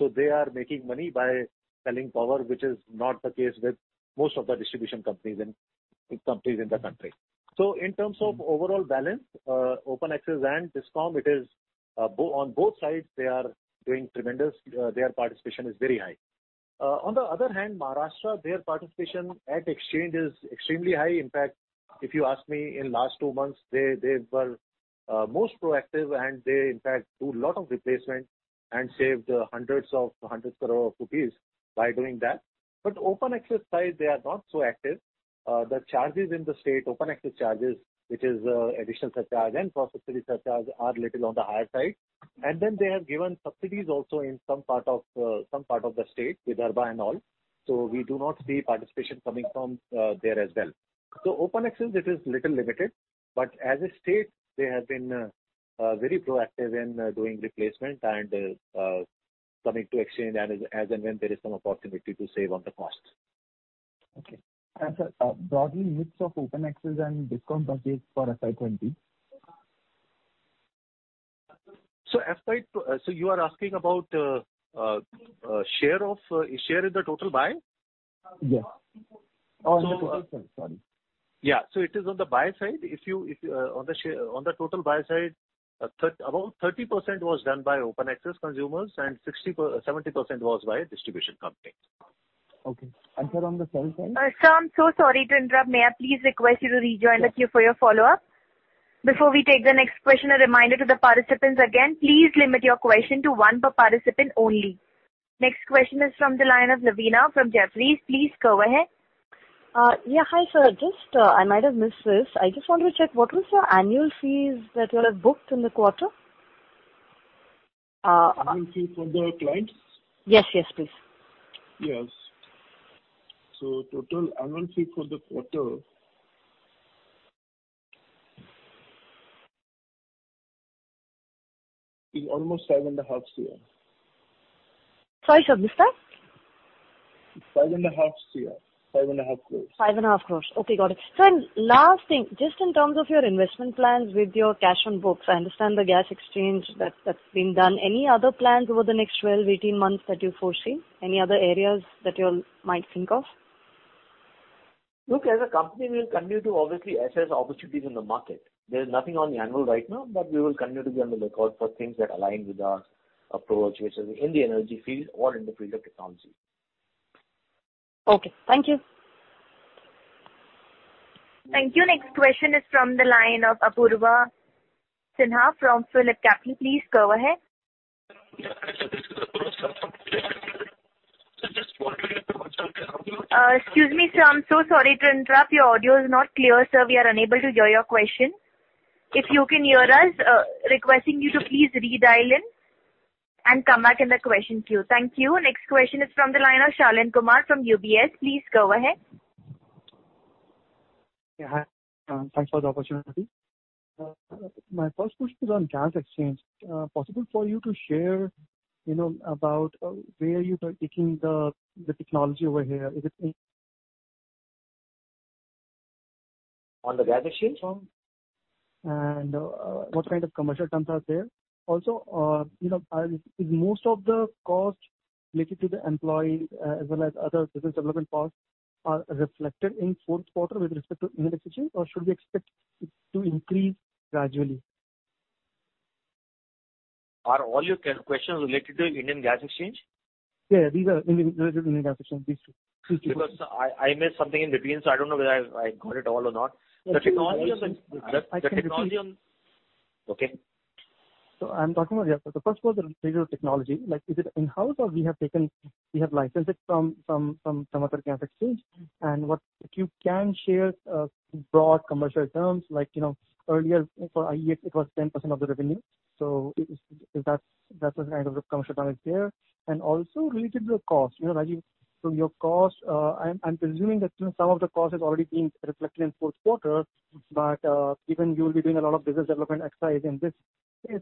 E: They are making money by selling power, which is not the case with most of the distribution companies in the country. In terms of overall balance, open access and Discom, on both sides, they are doing tremendous. Their participation is very high. On the other hand, Maharashtra, their participation at Exchange is extremely high. In fact, if you ask me, in last two months, they were most proactive and they, in fact, do lot of replacement and saved hundreds of hundreds crore of INR by doing that. Open access side, they are not so active. The charges in the state, open access charges, which is additional surcharge and facility surcharge, are little on the higher side. They have given subsidies also in some part of the state, Vidarbha and all. We do not see participation coming from there as well. Open access, it is little limited, but as a state, they have been very proactive in doing replacement and coming to Exchange as and when there is some opportunity to save on the cost.
K: Okay. Sir, broadly mix of open access and Discom purchase for FY 2020?
E: You are asking about share in the total buy?
K: Yes. Or on the total spend, sorry.
E: Yeah. It is on the buy side. On the total buy side, about 30% was done by open access consumers and 70% was by distribution company.
K: Okay. Sir, on the sell side?
A: Sir, I'm so sorry to interrupt. May I please request you to rejoin the queue for your follow-up? Before we take the next question, a reminder to the participants again, please limit your question to one per participant only. Next question is from the line of Lavina from Jefferies. Please go ahead.
L: Hi, sir. I might have missed this. I just wanted to check what was your annual fees that you have booked in the quarter?
C: Annual fee for the clients?
L: Yes. Please.
C: Yes. Total annual fee for the quarter is almost 5.5 crores.
L: Sorry, sir. Missed that.
C: 5 and a half crores.
L: five and a half crores. Okay, got it. Sir, last thing, just in terms of your investment plans with your cash on books, I understand the Gas Exchange that's been done. Any other plans over the next 12, 18 months that you foresee? Any other areas that you might think of?
C: Look, as a company, we'll continue to obviously assess opportunities in the market. There's nothing on the anvil right now, but we will continue to be on the lookout for things that align with our approach, which is in the energy field or in the field of technology.
L: Okay. Thank you.
A: Thank you. Next question is from the line of Apurva Sinha from PhillipCapital. Please go ahead. Excuse me, sir. I'm so sorry to interrupt. Your audio is not clear, sir. We are unable to hear your question. If you can hear us, requesting you to please redial in and come back in the question queue. Thank you. Next question is from the line of Shaleen Kumar from UBS. Please go ahead.
M: Yeah. Thanks for the opportunity. My first question is on gas exchange. Is it possible for you to share about where you are taking the technology over here?
C: On the Gas Exchange?
M: What kind of commercial terms are there? Also, most of the cost related to the employee, as well as other business development costs, are reflected in Q4 with respect to Indian Exchange or should we expect it to increase gradually?
C: Are all your questions related to Indian Gas Exchange?
M: Yeah, these are related to Indian Gas Exchange. These two.
C: I missed something in between, so I don't know whether I got it all or not. The technology.
M: I can repeat.
C: Okay.
M: I'm talking about the first was the digital technology, is it in-house or we have licensed it from some other gas exchange? What you can share broad commercial terms like earlier for IEX, it was 10% of the revenue. That's the kind of commercial term is there. Also related to the cost. From your cost, I'm presuming that some of the cost has already been reflected in Q4, but given you will be doing a lot of business development exercise in this case,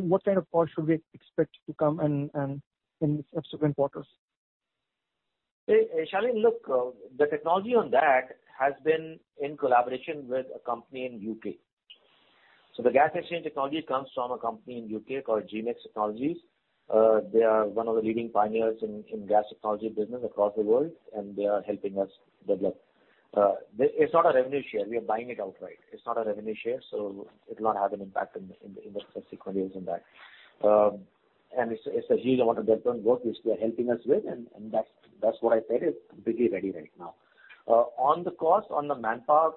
M: what kind of cost should we expect to come in subsequent quarters?
C: Shaleen, look, the technology on that has been in collaboration with a company in U.K. The gas exchange technology comes from a company in U.K. called GMEX Technologies. They are one of the leading pioneers in gas technology business across the world, and they are helping us develop. It's not a revenue share. We are buying it outright. It's not a revenue share, it will not have an impact in the subsequent years on that. It's a huge amount of development work which they are helping us with, and that's what I said, it's completely ready right now. On the manpower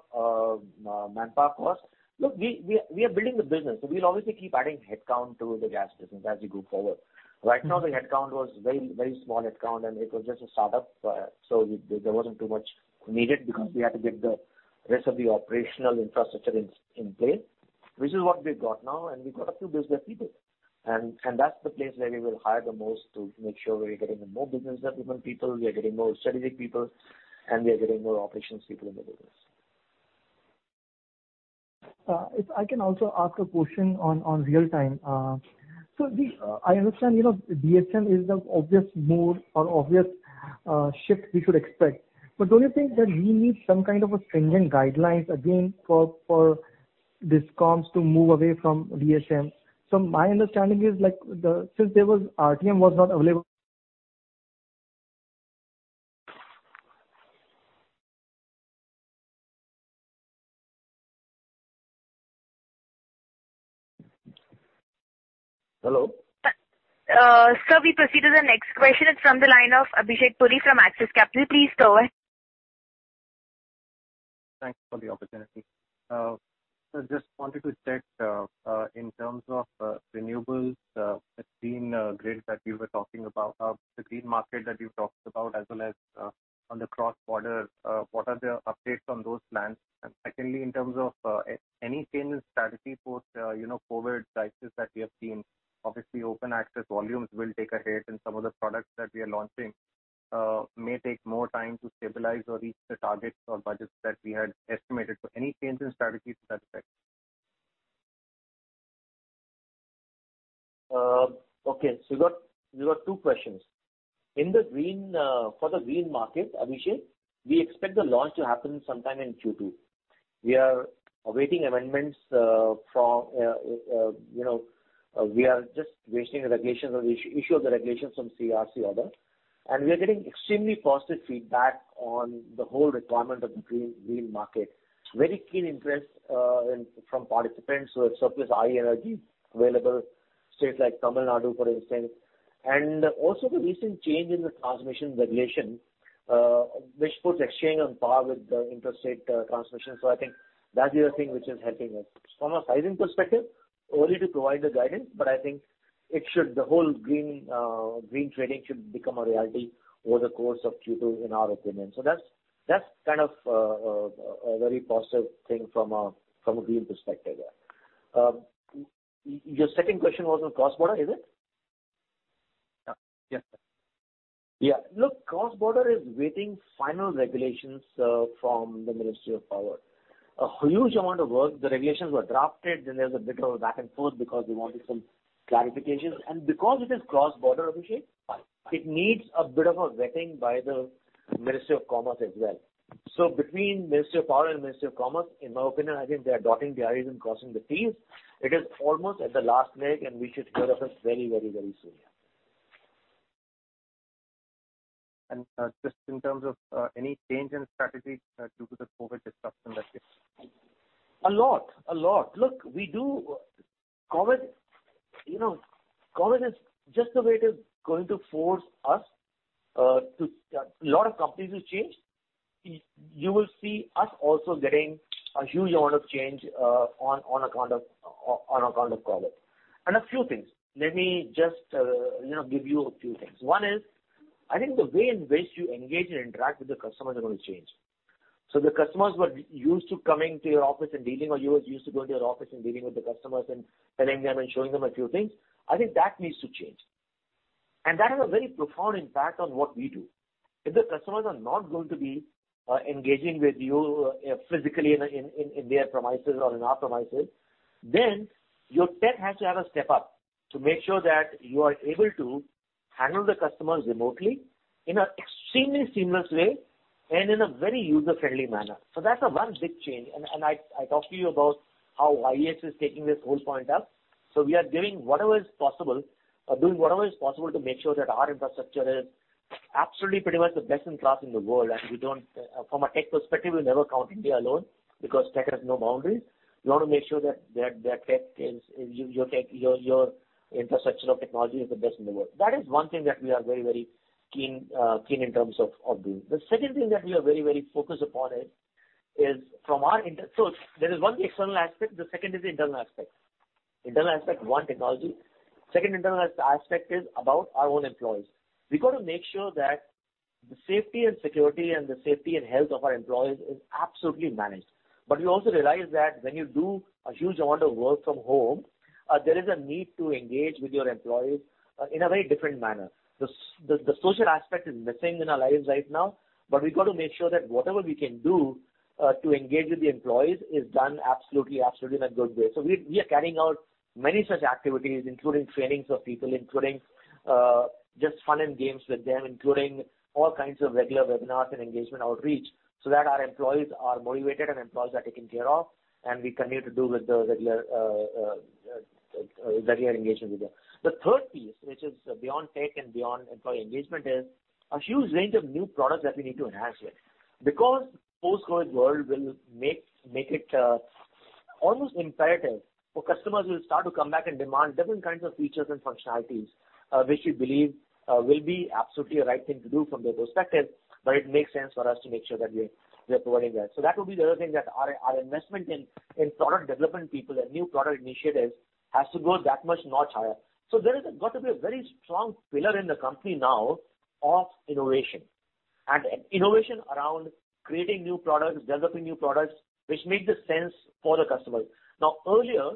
C: cost. Look, we are building the business, we'll obviously keep adding headcount to the gas business as we go forward. Right now, the headcount was very small headcount, and it was just a startup, so there wasn't too much needed because we had to get the rest of the operational infrastructure in place, which is what we've got now, and we've got a few business people. That's the place where we will hire the most to make sure we are getting more business development people, we are getting more strategic people, and we are getting more operations people in the business.
M: If I can also ask a question on real-time. I understand, DSM is the obvious move or obvious shift we should expect. Don't you think that we need some kind of stringent guidelines again for Discoms to move away from DSM? My understanding is since RTM was not available
C: Hello?
A: Sir, we proceed to the next question. It's from the line of Abhishek Puri from Axis Capital. Please go ahead.
B: Thanks for the opportunity. Sir, just wanted to check in terms of renewables, the green market that you talked about as well as on the cross-border, what are the updates on those plans? Secondly, in terms of any change in strategy post COVID crisis that we have seen. Obviously, open access volumes will take a hit and some of the products that we are launching may take more time to stabilize or reach the targets or budgets that we had estimated. Any change in strategy to that effect?
C: Okay. You got two questions. For the green market, Abhishek, we expect the launch to happen sometime in Q2. We are just waiting on the issue of the regulations from CERC order. We are getting extremely positive feedback on the whole requirement of the green market. Very keen interest from participants who have surplus high energy available. States like Tamil Nadu, for instance. Also the recent change in the transmission regulation which puts exchange on par with the interstate transmission. I think that's the other thing which is helping us. From a sizing perspective, early to provide the guidance, but I think the whole green trading should become a reality over the course of Q2 in our opinion. That's a very positive thing from a green perspective. Your second question was on cross-border, is it?
B: Yes, sir.
C: Yeah. Look, cross-border is waiting final regulations from the Ministry of Power. A huge amount of work. The regulations were drafted, then there was a bit of a back and forth because we wanted some clarifications. because it is cross-border, Abhishek.
B: Right
C: It needs a bit of a vetting by the Ministry of Commerce as well. Between Ministry of Power and Ministry of Commerce, in my opinion, I think they are dotting the I's and crossing the T's. It is almost at the last leg, and we should hear of it very, very soon.
B: Just in terms of any change in strategy due to the COVID disruption that we have?
C: A lot. Look, COVID is just the way it is going to force a lot of companies to change. You will see us also getting a huge amount of change on account of COVID. A few things. Let me just give you a few things. One is, I think the way in which you engage and interact with the customers are going to change. The customers were used to coming to your office and dealing, or you were used to going to your office and dealing with the customers and telling them and showing them a few things. I think that needs to change. That has a very profound impact on what we do. If the customers are not going to be engaging with you physically in their premises or in our premises, then your tech has to have a step up to make sure that you are able to handle the customers remotely in an extremely seamless way and in a very user-friendly manner. That's one big change. I talked to you about how IEX is taking this whole point up. We are doing whatever is possible to make sure that our infrastructure is absolutely pretty much the best in class in the world. From a tech perspective, we never count India alone, because tech has no boundaries. We want to make sure that your infrastructure of technology is the best in the world. That is one thing that we are very keen in terms of doing. There is one external aspect, the second is the internal aspect. Internal aspect, 1, technology. Second internal aspect is about our own employees. We got to make sure that the safety and security and the safety and health of our employees is absolutely managed. We also realize that when you do a huge amount of work from home, there is a need to engage with your employees in a very different manner. The social aspect is missing in our lives right now, we got to make sure that whatever we can do to engage with the employees is done absolutely in a good way. We are carrying out many such activities, including trainings of people, including just fun and games with them, including all kinds of regular webinars and engagement outreach, so that our employees are motivated and employees are taken care of, and we continue to do with the regular engagement with them. The third piece, which is beyond tech and beyond employee engagement, is a huge range of new products that we need to enhance here. Post-COVID world will make it almost imperative for customers who will start to come back and demand different kinds of features and functionalities, which we believe will be absolutely the right thing to do from their perspective, but it makes sense for us to make sure that we are providing that. That will be the other thing, that our investment in product development people and new product initiatives has to go that much notch higher. There has got to be a very strong pillar in the company now of innovation. Innovation around creating new products, developing new products, which make sense for the customer. Earlier,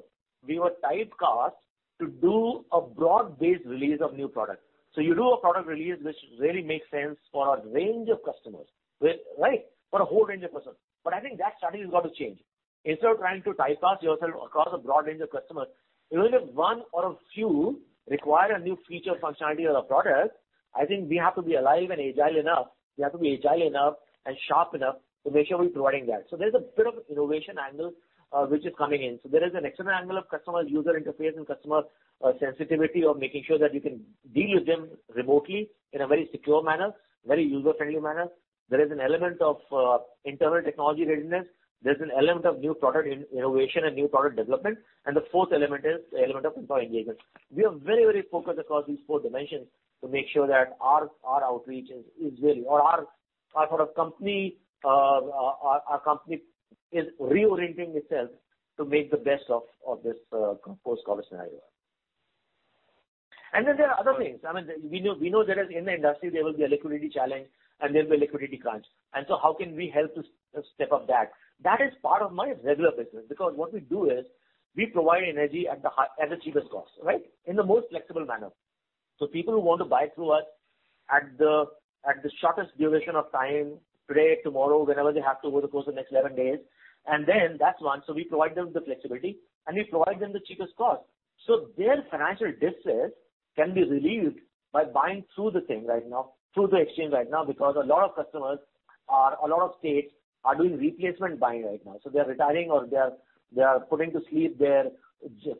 C: we were typecast to do a broad-based release of new product. You do a product release which really makes sense for a range of customers. Right? For a whole range of customers. I think that strategy has got to change. Instead of trying to typecast yourself across a broad range of customers, even if one or a few require a new feature, functionality of the product, I think we have to be alive and agile enough and sharp enough to make sure we're providing that. There's a bit of innovation angle which is coming in. There is an external angle of customer user interface and customer sensitivity of making sure that you can deal with them remotely in a very secure manner, very user-friendly manner. There is an element of internal technology readiness. There's an element of new product innovation and new product development. The fourth element is the element of employee engagement. We are very focused across these four dimensions to make sure that our company is reorienting itself to make the best of this post-COVID scenario. There are other things. We know that in the industry, there will be a liquidity challenge and there will be a liquidity crunch. How can we help to step up that? That is part of my regular business, because what we do is we provide energy at the cheapest cost. Right? In the most flexible manner. People who want to buy through us at the shortest duration of time, today, tomorrow, whenever they have to over the course of next 11 days. That's one. We provide them the flexibility, and we provide them the cheapest cost. Their financial distress can be relieved by buying through the thing right now, through the exchange right now, because a lot of customers or a lot of states are doing replacement buying right now. They're retiring or they are putting to sleep their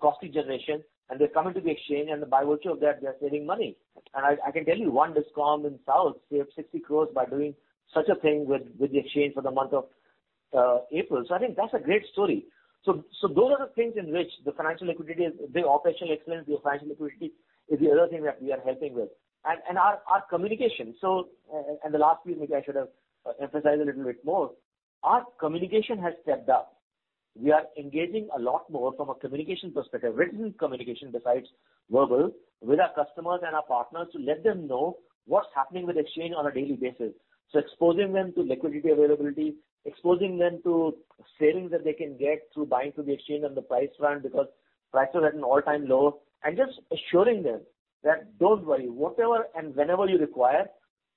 C: costly generation, and they're coming to the exchange, and by virtue of that, they're saving money. I can tell you, one Discom in south saved 60 crores by doing such a thing with the exchange for the month of April. I think that's a great story. Those are the things in which the operational excellence, the financial liquidity is the other thing that we are helping with. Our communication. The last piece maybe I should have emphasized a little bit more. Our communication has stepped up. We are engaging a lot more from a communication perspective, written communication besides verbal, with our customers and our partners to let them know what's happening with exchange on a daily basis. Exposing them to liquidity availability, exposing them to savings that they can get through buying through the exchange and the price front, because prices are at an all-time low. Just assuring them that, "Don't worry. Whatever and whenever you require,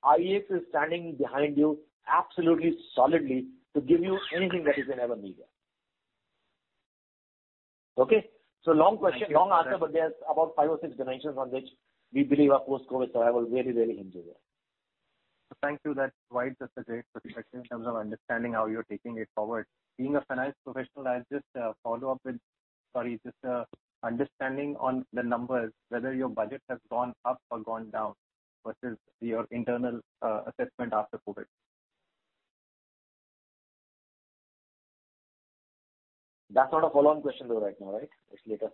C: IEX is standing behind you absolutely solidly to give you anything that you can ever need." Okay? Long answer, but there's about five or six dimensions on which we believe our post-COVID survival very hindered.
B: Thank you. That provides us a great perspective in terms of understanding how you're taking it forward. Being a finance professional, I'll just follow up. Sorry, just understanding on the numbers, whether your budget has gone up or gone down versus your internal assessment after COVID.
C: That's not a follow-on question though right now, right? It's later.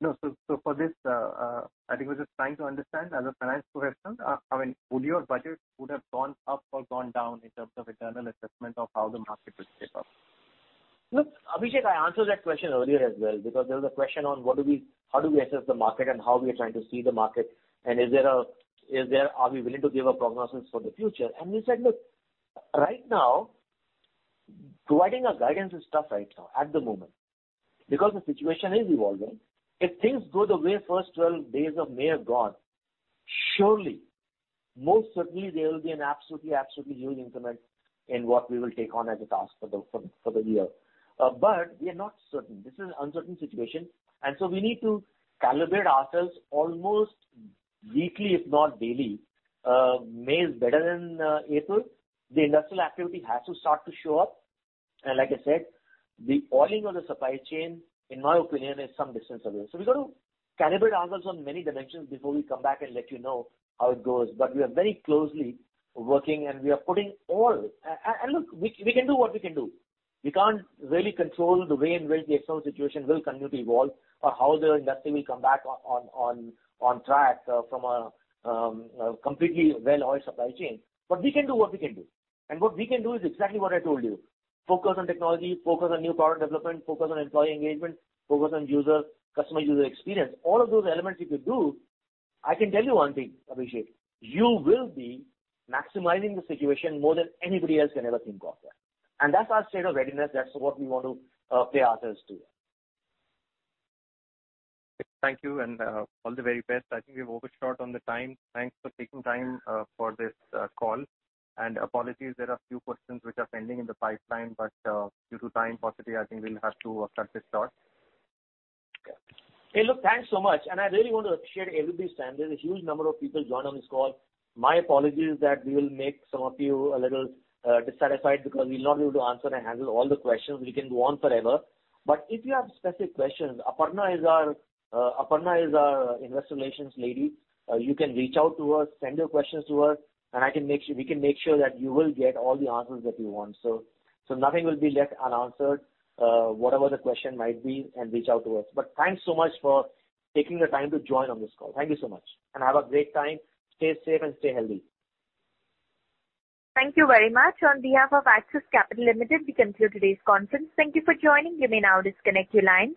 B: No. For this, I think we're just trying to understand as a finance person, would your budget have gone up or gone down in terms of internal assessment of how the market would shape up?
C: Look, Abhishek, I answered that question earlier as well, because there was a question on how do we assess the market and how we are trying to see the market, and are we willing to give a prognosis for the future. We said, look, providing a guidance is tough right now, at the moment, because the situation is evolving. If things go the way first 12 days of May have gone, surely, most certainly, there will be an absolutely huge increment in what we will take on as a task for the year. We are not certain. This is an uncertain situation, and so we need to calibrate ourselves almost weekly, if not daily. May is better than April. The industrial activity has to start to show up. Like I said, the oiling of the supply chain, in my opinion, is some distance away. We've got to calibrate ourselves on many dimensions before we come back and let you know how it goes. We are very closely working. Look, we can do what we can do. We can't really control the way in which the external situation will continue to evolve, or how the industry will come back on track from a completely well-oiled supply chain. We can do what we can do. What we can do is exactly what I told you. Focus on technology, focus on new product development, focus on employee engagement, focus on customer user experience. All of those elements, if you do, I can tell one thing, Abhishek, you will be maximizing the situation more than anybody else can ever think of. That's our state of readiness. That's what we want to play ourselves to.
B: Thank you, and all the very best. I think we've overshot on the time. Thanks for taking time for this call. Apologies, there are a few questions which are pending in the pipeline, but due to time possibly, I think we'll have to cut this short.
C: Hey, look, thanks so much. I really want to appreciate everybody's time. There's a huge number of people joined on this call. My apologies that we will make some of you a little dissatisfied because we'll not be able to answer and handle all the questions. We can go on forever. If you have specific questions, Aparna is our investor relations lady. You can reach out to us, send your questions to us, and we can make sure that you will get all the answers that you want. Nothing will be left unanswered, whatever the question might be. Reach out to us. Thanks so much for taking the time to join on this call. Thank you so much. Have a great time. Stay safe and stay healthy.
A: Thank you very much. On behalf of Axis Capital Limited, we conclude today's conference. Thank you for joining. You may now disconnect your lines.